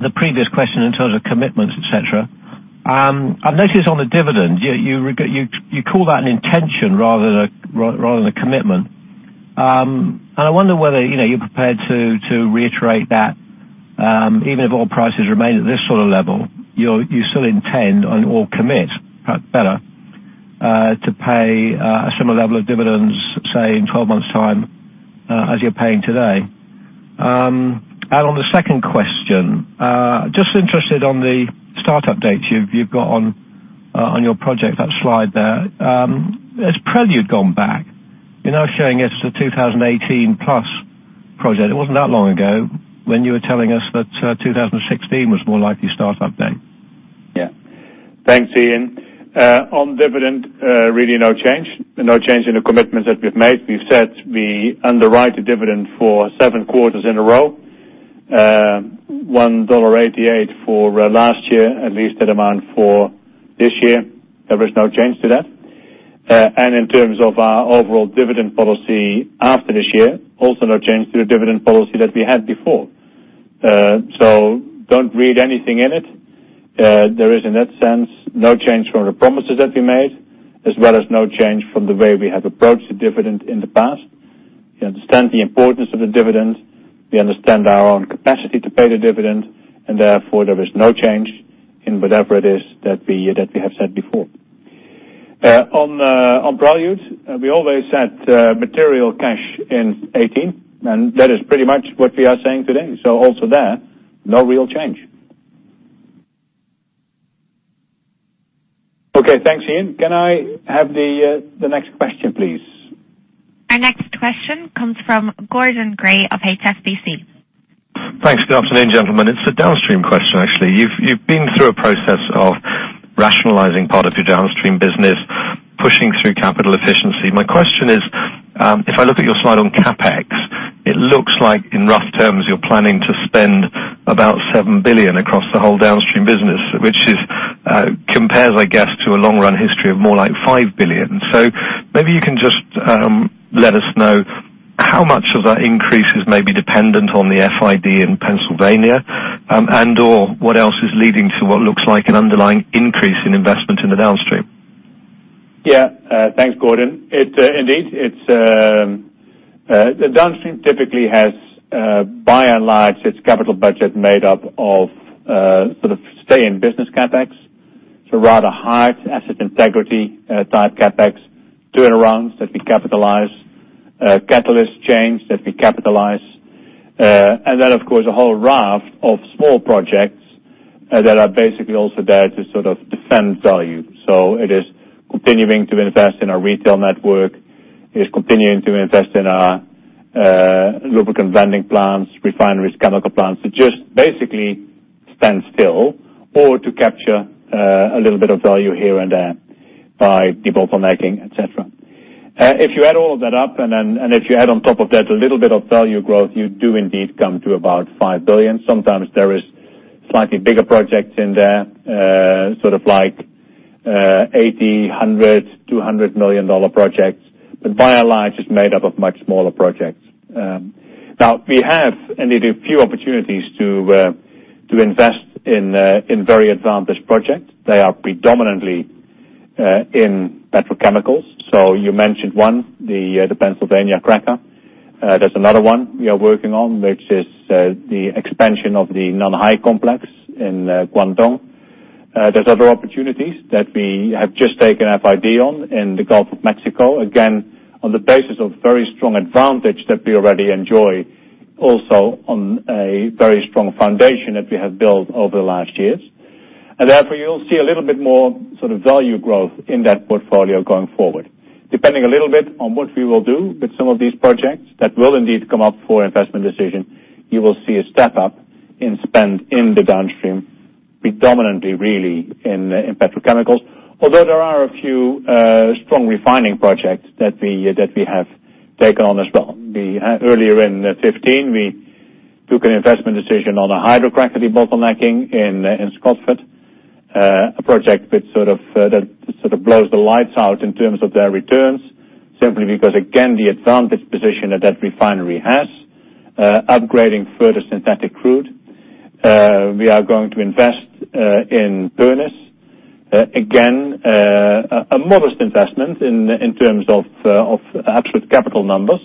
the previous question in terms of commitments, et cetera. I've noticed on the dividend, you call that an intention rather than a commitment. I wonder whether you're prepared to reiterate that, even if oil prices remain at this sort of level, you still intend or commit, perhaps better, to pay a similar level of dividends, say, in 12 months' time, as you're paying today. On the second question, just interested on the start-up dates you've got on your project, that slide there. As Prelude gone back, you're now showing us the 2018+ project. It wasn't that long ago when you were telling us that 2016 was the more likely start-up date. Yeah. Thanks, Iain. On dividend, really no change. No change in the commitment that we've made. We've said we underwrite the dividend for seven quarters in a row. $1.88 for last year, at least that amount for this year. There is no change to that. In terms of our overall dividend policy after this year, also no change to the dividend policy that we had before. Don't read anything in it. There is, in that sense, no change from the promises that we made, as well as no change from the way we have approached the dividend in the past. We understand the importance of the dividend. We understand our own capacity to pay the dividend, therefore, there is no change in whatever it is that we have said before. On Prelude, we always said material cash in 2018. That is pretty much what we are saying today. Also there, no real change. Okay, thanks, Iain. Can I have the next question, please? Our next question comes from Gordon Gray of HSBC. Thanks. Good afternoon, gentlemen. It is a downstream question, actually. You have been through a process of rationalizing part of your downstream business, pushing through capital efficiency. My question is, if I look at your slide on CapEx, it looks like in rough terms, you are planning to spend about $7 billion across the whole downstream business, which compares, I guess, to a long-run history of more like $5 billion. Maybe you can just let us know how much of that increase is maybe dependent on the FID in Pennsylvania, and/or what else is leading to what looks like an underlying increase in investment in the downstream. Yeah. Thanks, Gordon. Indeed, downstream typically has, by and large, its capital budget made up of sort of stay-in-business CapEx. Rather high asset integrity type CapEx, turnarounds that we capitalize, catalyst chains that we capitalize. Then, of course, a whole raft of small projects that are basically also there to sort of defend value. It is continuing to invest in our retail network, it is continuing to invest in our lubricant blending plants, refineries, chemical plants. It is just basically stand still or to capture a little bit of value here and there by debottlenecking, et cetera. If you add all of that up, and if you add on top of that a little bit of value growth, you do indeed come to about $5 billion. Sometimes there is slightly bigger projects in there, sort of like 80, 100, $200 million projects, but by and large, it is made up of much smaller projects. We have indeed a few opportunities to invest in very advantageous projects. They are predominantly in petrochemicals. You mentioned one, the Pennsylvania cracker. There is another one we are working on, which is the expansion of the Nanhai Complex in Guangdong. There are other opportunities that we have just taken FID on in the Gulf of Mexico, again, on the basis of very strong advantage that we already enjoy, also on a very strong foundation that we have built over the last years. Therefore, you will see a little bit more sort of value growth in that portfolio going forward. Depending a little bit on what we will do with some of these projects that will indeed come up for investment decision, you will see a step up in spend in the downstream, predominantly, really, in petrochemicals. Although there are a few strong refining projects that we have taken on as well. Earlier in 2015, we took an investment decision on a hydrocracker debottlenecking in Scotford, a project that sort of blows the lights out in terms of their returns, simply because, again, the advantage position that that refinery has, upgrading further synthetic crude. We are going to invest in Pernis. Again, a modest investment in terms of absolute capital numbers.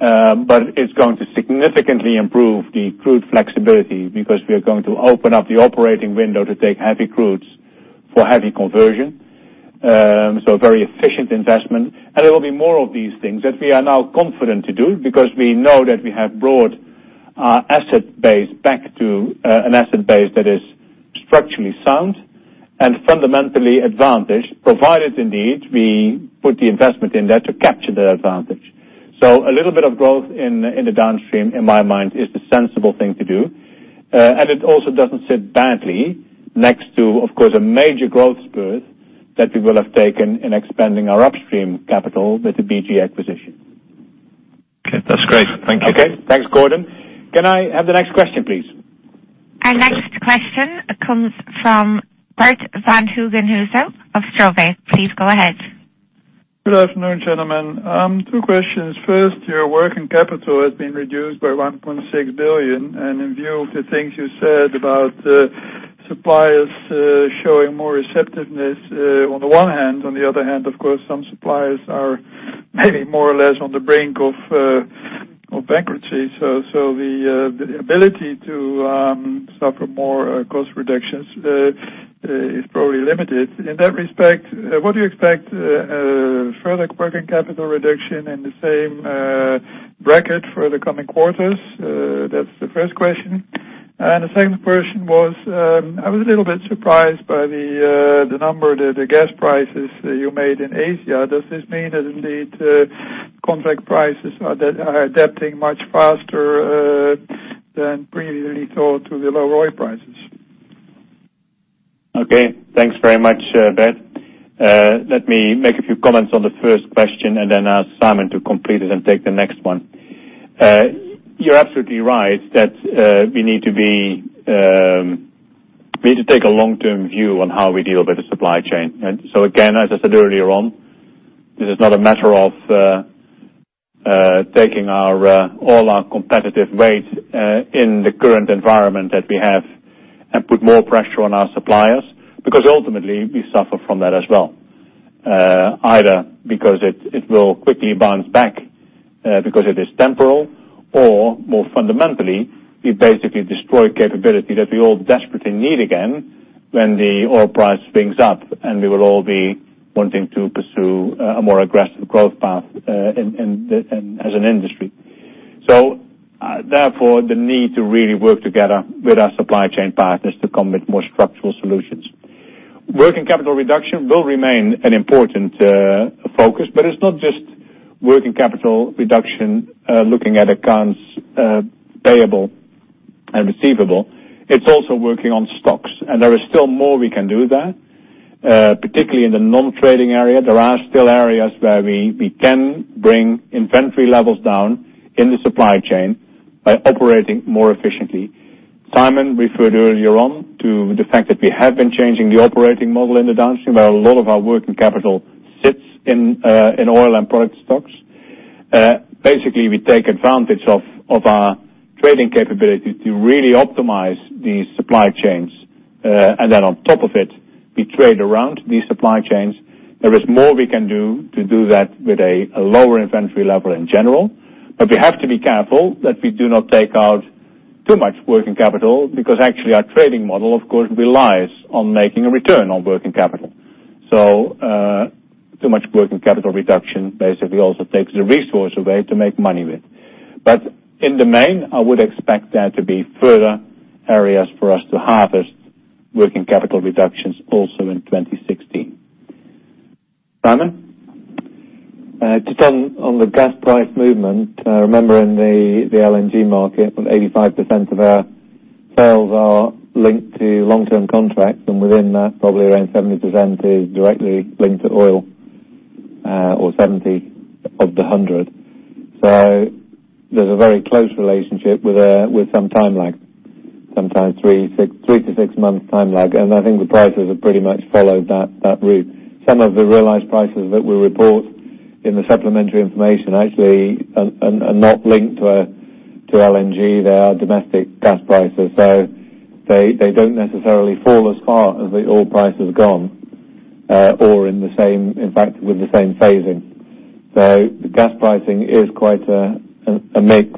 It is going to significantly improve the crude flexibility because we are going to open up the operating window to take heavy crudes for heavy conversion. Very efficient investment. There will be more of these things that we are now confident to do because we know that we have broad asset base back to an asset base that is structurally sound and fundamentally advantaged, provided indeed, we put the investment in there to capture the advantage. A little bit of growth in the downstream, in my mind, is the sensible thing to do. It also does not sit badly next to, of course, a major growth spurt that we will have taken in expanding our upstream capital with the BG acquisition. Okay. That is great. Thank you. Okay. Thanks, Gordon. Can I have the next question, please? Our next question comes from Bert Van Hoogenhuyze of Stroeve. Please go ahead. Good afternoon, gentlemen. Two questions. First, your working capital has been reduced by $1.6 billion. In view of the things you said about suppliers showing more receptiveness on the one hand, on the other hand, of course, some suppliers are maybe more or less on the brink of bankruptcy. The ability to suffer more cost reductions is probably limited. In that respect, what do you expect further working capital reduction in the same bracket for the coming quarters? That's the first question. The second question was, I was a little bit surprised by the number, the gas prices you made in Asia. Does this mean that indeed, contract prices are adapting much faster than previously thought to the low oil prices? Okay. Thanks very much, Bert. Let me make a few comments on the first question and then ask Simon to complete it and take the next one. You're absolutely right that we need to take a long-term view on how we deal with the supply chain. Again, as I said earlier on, this is not a matter of taking all our competitive weight in the current environment that we have and put more pressure on our suppliers, because ultimately we suffer from that as well, either because it will quickly bounce back, because it is temporal or more fundamentally, we basically destroy capability that we all desperately need again when the oil price swings up, and we will all be wanting to pursue a more aggressive growth path as an industry. Therefore, the need to really work together with our supply chain partners to come with more structural solutions. Working capital reduction will remain an important focus, but it's not just working capital reduction, looking at accounts payable and receivable. It's also working on stocks, and there is still more we can do there. Particularly in the non-trading area, there are still areas where we can bring inventory levels down in the supply chain by operating more efficiently. Simon referred earlier on to the fact that we have been changing the operating model in the downstream, where a lot of our working capital sits in oil and product stocks. Basically, we take advantage of our trading capability to really optimize the supply chains. Then on top of it, we trade around these supply chains. There is more we can do to do that with a lower inventory level in general, we have to be careful that we do not take out too much working capital because actually our trading model, of course, relies on making a return on working capital. Too much working capital reduction basically also takes the resource away to make money with. In the main, I would expect there to be further areas for us to harvest working capital reductions also in 2016. Simon? To turn on the gas price movement, remember in the LNG market, when 85% of our sales are linked to long-term contracts, and within that, probably around 70% is directly linked to oil, or 70 of the 100. There's a very close relationship with some time lag, sometimes three to six months time lag. I think the prices have pretty much followed that route. Some of the realized prices that we report in the supplementary information actually are not linked to LNG. They are domestic gas prices. They don't necessarily fall as far as the oil price has gone, or in fact, with the same phasing. The gas pricing is quite a mix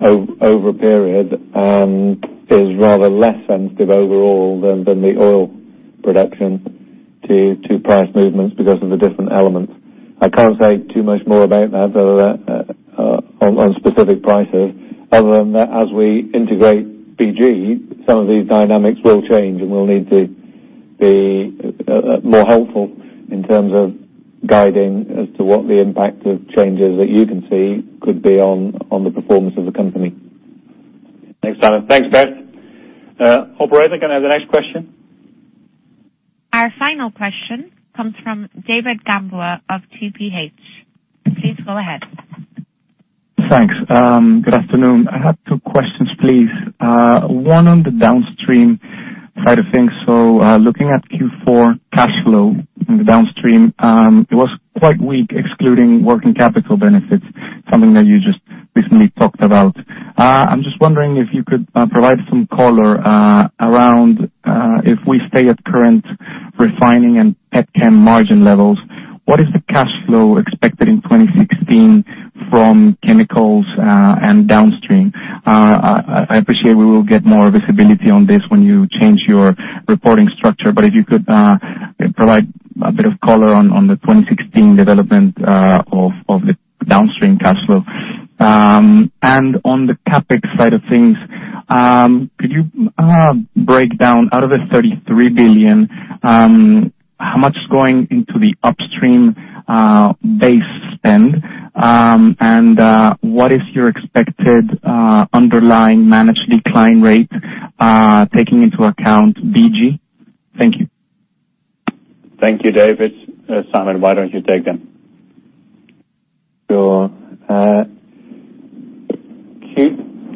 over a period, and is rather less sensitive overall than the oil production to price movements because of the different elements. I can't say too much more about that, on specific prices other than that as we integrate BG, some of these dynamics will change and we'll need to be more helpful in terms of guiding as to what the impact of changes that you can see could be on the performance of the company. Thanks, Simon. Thanks, Bert. Operator, can I have the next question? Our final question comes from David Gamboa of TPH. Please go ahead. Thanks. Good afternoon. I have two questions, please. One on the downstream side of things. Looking at Q4 cash flow in the downstream, it was quite weak, excluding working capital benefits, something that you just recently talked about. I'm just wondering if you could provide some color around if we stay at current refining and pet chem margin levels, what is the cash flow expected in 2016 from chemicals and downstream? I appreciate we will get more visibility on this when you change your reporting structure, but if you could provide a bit of color on the 2016 development of the downstream cash flow. On the CapEx side of things, could you break down, out of the $33 billion, how much is going into the upstream base spend, and what is your expected underlying managed decline rate taking into account BG? Thank you. Thank you, David. Simon, why don't you take that? Sure.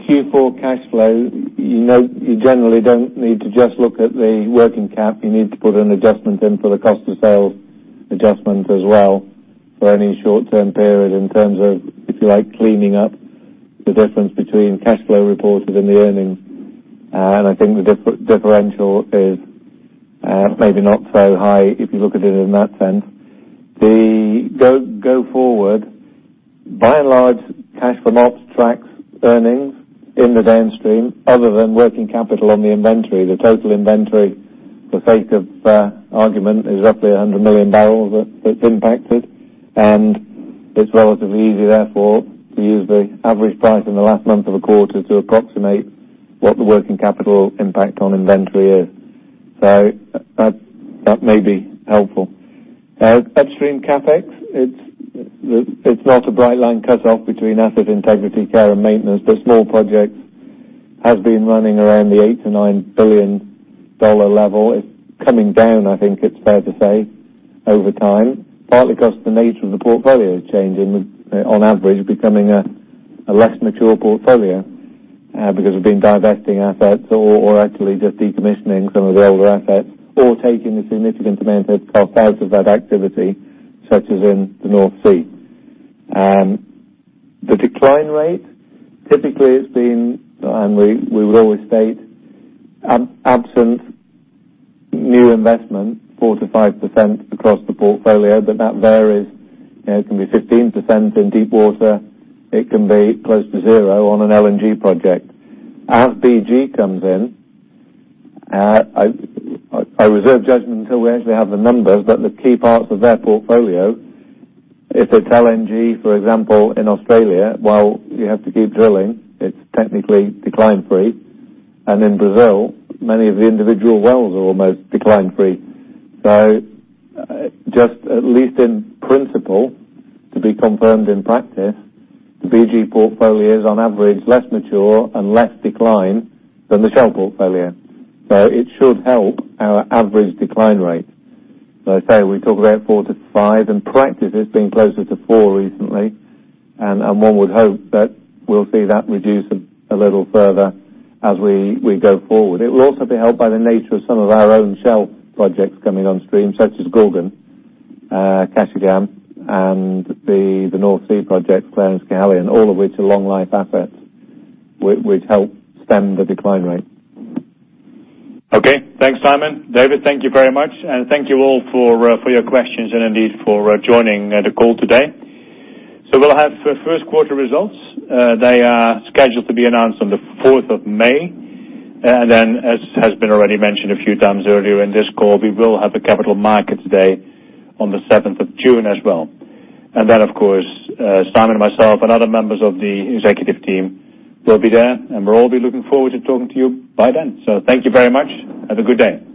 Q4 cash flow, you generally don't need to just look at the working cap. You need to put an adjustment in for the cost of sales adjustment as well for any short-term period in terms of, if you like, cleaning up the difference between cash flow reported and the earnings. I think the differential is maybe not so high if you look at it in that sense. The go forward, by and large, cash from ops tracks earnings in the downstream other than working capital on the inventory. The total inventory, for sake of argument, is roughly 100 million barrels that it's impacted, and it's relatively easy, therefore, to use the average price in the last month of a quarter to approximate what the working capital impact on inventory is. That may be helpful. Upstream CapEx, it's not a bright line cut off between asset integrity, care, and maintenance, but small projects have been running around the $8 billion-$9 billion level. It's coming down, I think it's fair to say, over time, partly because the nature of the portfolio is changing, on average, becoming a less mature portfolio because we've been divesting assets or actually just decommissioning some of the older assets or taking a significant amount of cost out of that activity, such as in the North Sea. The decline rate, typically it's been, and we would always state, absent new investment, 4%-5% across the portfolio, but that varies. It can be 15% in deep water. It can be close to zero on an LNG project. As BG comes in, I reserve judgment until we actually have the numbers, but the key parts of their portfolio, if it's LNG, for example, in Australia, while you have to keep drilling, it's technically decline free. In Brazil, many of the individual wells are almost decline free. Just at least in principle, to be confirmed in practice, the BG portfolio is on average less mature and less decline than the Shell portfolio. It should help our average decline rate. As I say, we talk about 4%-5%, and practice has been closer to 4% recently. One would hope that we'll see that reduce a little further as we go forward. It will also be helped by the nature of some of our own Shell projects coming on stream, such as Gorgon, Kashagan, and the North Sea projects, Clarence Canyon, all of which are long life assets which help stem the decline rate. Okay. Thanks, Simon. David, thank you very much. Thank you all for your questions and indeed for joining the call today. We'll have first quarter results. They are scheduled to be announced on the 4th of May. As has been already mentioned a few times earlier in this call, we will have the Capital Markets Day on the 7th of June as well. Of course, Simon and myself and other members of the executive team will be there, and we'll all be looking forward to talking to you by then. Thank you very much. Have a good day. Thank you